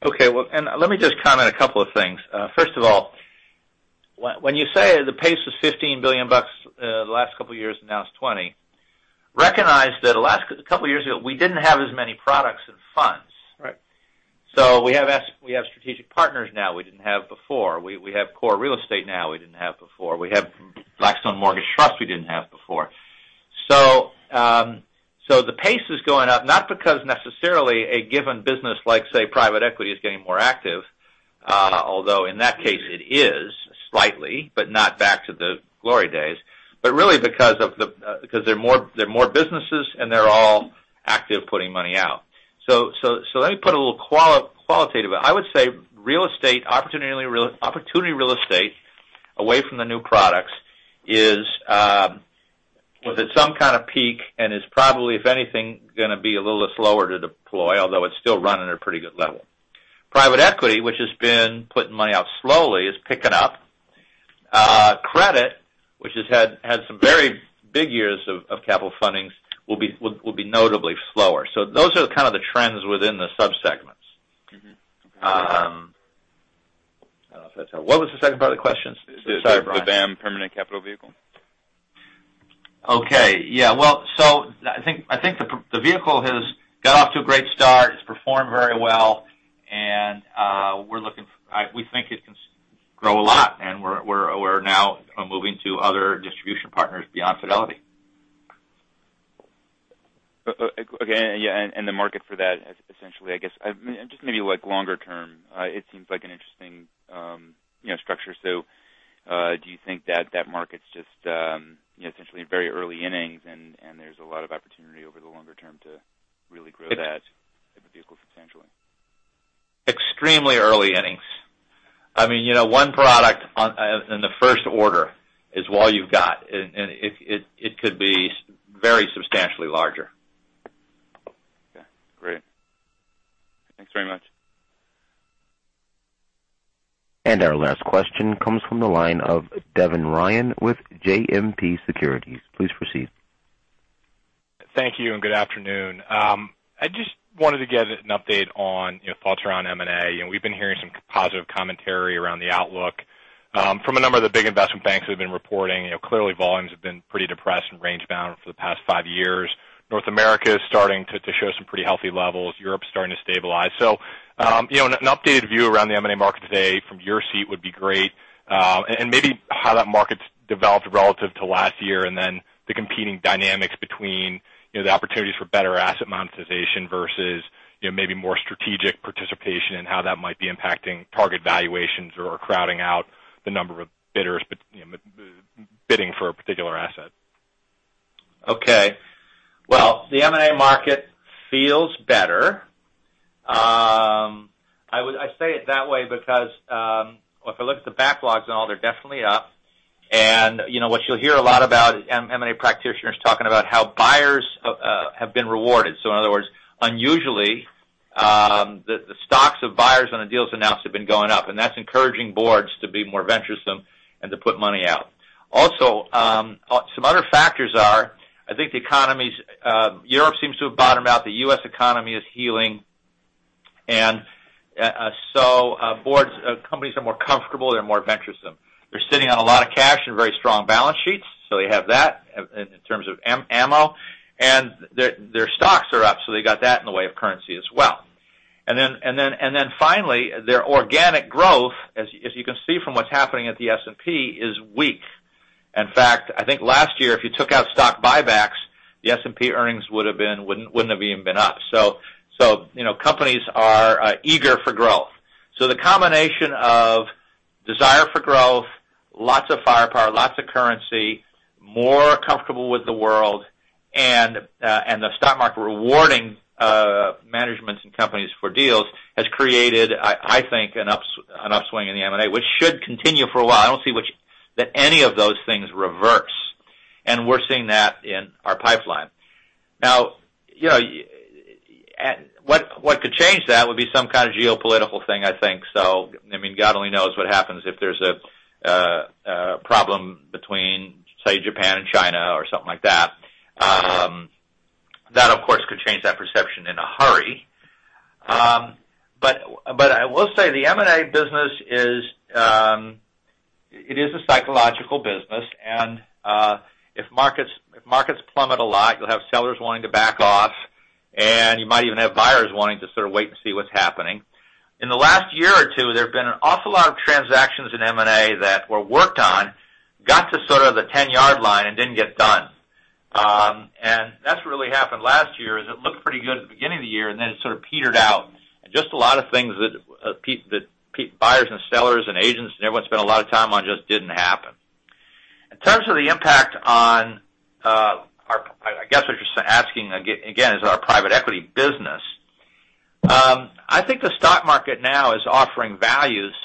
Okay. Well, let me just comment a couple of things. First of all, when you say the pace was $15 billion the last couple of years, and now it's $20 billion, recognize that a couple of years ago, we didn't have as many products and funds. Right. We have Strategic Partners now we didn't have before. We have Core+ real estate now we didn't have before. We have Blackstone Mortgage Trust we didn't have before. The pace is going up, not because necessarily a given business like, say, private equity is getting more active. Although in that case it is slightly, but not back to the glory days. Really because there are more businesses and they're all active putting money out. Let me put a little qualitative. I would say opportunity real estate, away from the new products, was at some kind of peak and is probably, if anything, going to be a little slower to deploy, although it's still running at a pretty good level. Private equity, which has been putting money out slowly, is picking up. Credit, which has had some very big years of capital fundings, will be notably slower. Those are kind of the trends within the sub-segments. What was the second part of the question? Sorry, Brian. The BAAM permanent capital vehicle. Okay. Yeah. Well, I think the vehicle has got off to a great start. It's performed very well. We think it can grow a lot, and we're now moving to other distribution partners beyond Fidelity. Okay. Yeah, the market for that essentially, I guess just maybe longer-term, it seems like an interesting structure. Do you think that that market's just essentially in very early innings, and there's a lot of opportunity over the longer term to really grow that type of vehicle substantially? Extremely early innings. One product in the first order is all you've got. It could be very substantially larger. Okay, great. Thanks very much. Our last question comes from the line of Devin Ryan with JMP Securities. Please proceed. Thank you and good afternoon. I just wanted to get an update on your thoughts around M&A. We've been hearing some positive commentary around the outlook from a number of the big investment banks who've been reporting. Clearly volumes have been pretty depressed and range-bound for the past five years. North America is starting to show some pretty healthy levels. Europe's starting to stabilize. An updated view around the M&A market today from your seat would be great. Maybe how that market's developed relative to last year, and then the competing dynamics between the opportunities for better asset monetization versus maybe more strategic participation and how that might be impacting target valuations or crowding out the number of bidders bidding for a particular asset. Okay. Well, the M&A market feels better. I say it that way because if I look at the backlogs and all, they're definitely up. What you'll hear a lot about M&A practitioners talking about how buyers have been rewarded. In other words, unusually, the stocks of buyers on the deals announced have been going up, and that's encouraging boards to be more venturesome and to put money out. Also, some other factors are, I think the economies-- Europe seems to have bottomed out. The U.S. economy is healing. Companies are more comfortable. They're more venturesome. They're sitting on a lot of cash and very strong balance sheets. They have that in terms of ammo. Their stocks are up, so they got that in the way of currency as well. Finally, their organic growth, as you can see from what's happening at the S&P, is weak. In fact, I think last year, if you took out stock buybacks, the S&P earnings wouldn't have even been up. Companies are eager for growth. The combination of desire for growth, lots of firepower, lots of currency, more comfortable with the world, and the stock market rewarding managements and companies for deals has created, I think, an upswing in the M&A, which should continue for a while. I don't see that any of those things reverse. We're seeing that in our pipeline. Now, what could change that would be some kind of geopolitical thing, I think. God only knows what happens if there's a problem between, say, Japan and China or something like that. That, of course, could change that perception in a hurry. I will say the M&A business is a psychological business, and if markets plummet a lot, you'll have sellers wanting to back off, and you might even have buyers wanting to sort of wait and see what's happening. In the last year or two, there have been an awful lot of transactions in M&A that were worked on, got to sort of the 10-yard line, and didn't get done. That's what really happened last year, is it looked pretty good at the beginning of the year, and then it sort of petered out. Just a lot of things that buyers and sellers and agents and everyone spent a lot of time on just didn't happen. In terms of the impact on, I guess what you're asking, again, is our private equity business. I think the stock market now is offering values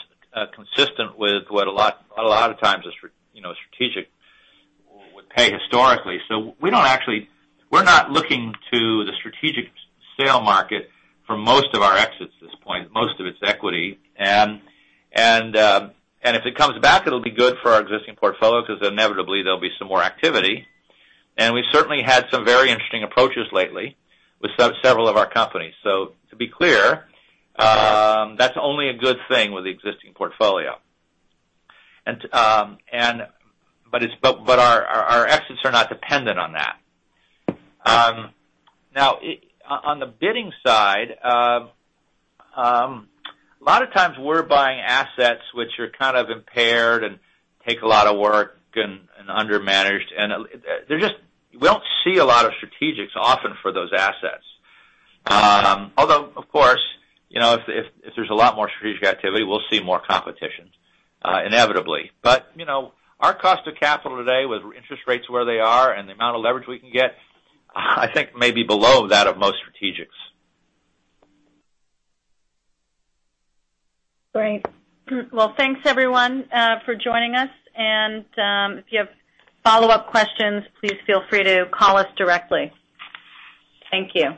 consistent with what a lot of times a strategic would pay historically. We're not looking to the strategic sale market for most of our exits at this point. Most of it's equity. If it comes back, it'll be good for our existing portfolio because inevitably there'll be some more activity, and we've certainly had some very interesting approaches lately with several of our companies. To be clear, that's only a good thing with the existing portfolio. Our exits are not dependent on that. Now, on the bidding side, a lot of times we're buying assets which are kind of impaired and take a lot of work and under-managed, and we don't see a lot of strategics often for those assets. Although, of course, if there's a lot more strategic activity, we'll see more competition inevitably. Our cost of capital today, with interest rates where they are and the amount of leverage we can get, I think may be below that of most strategics. Great. Well, thanks everyone for joining us, and if you have follow-up questions, please feel free to call us directly. Thank you.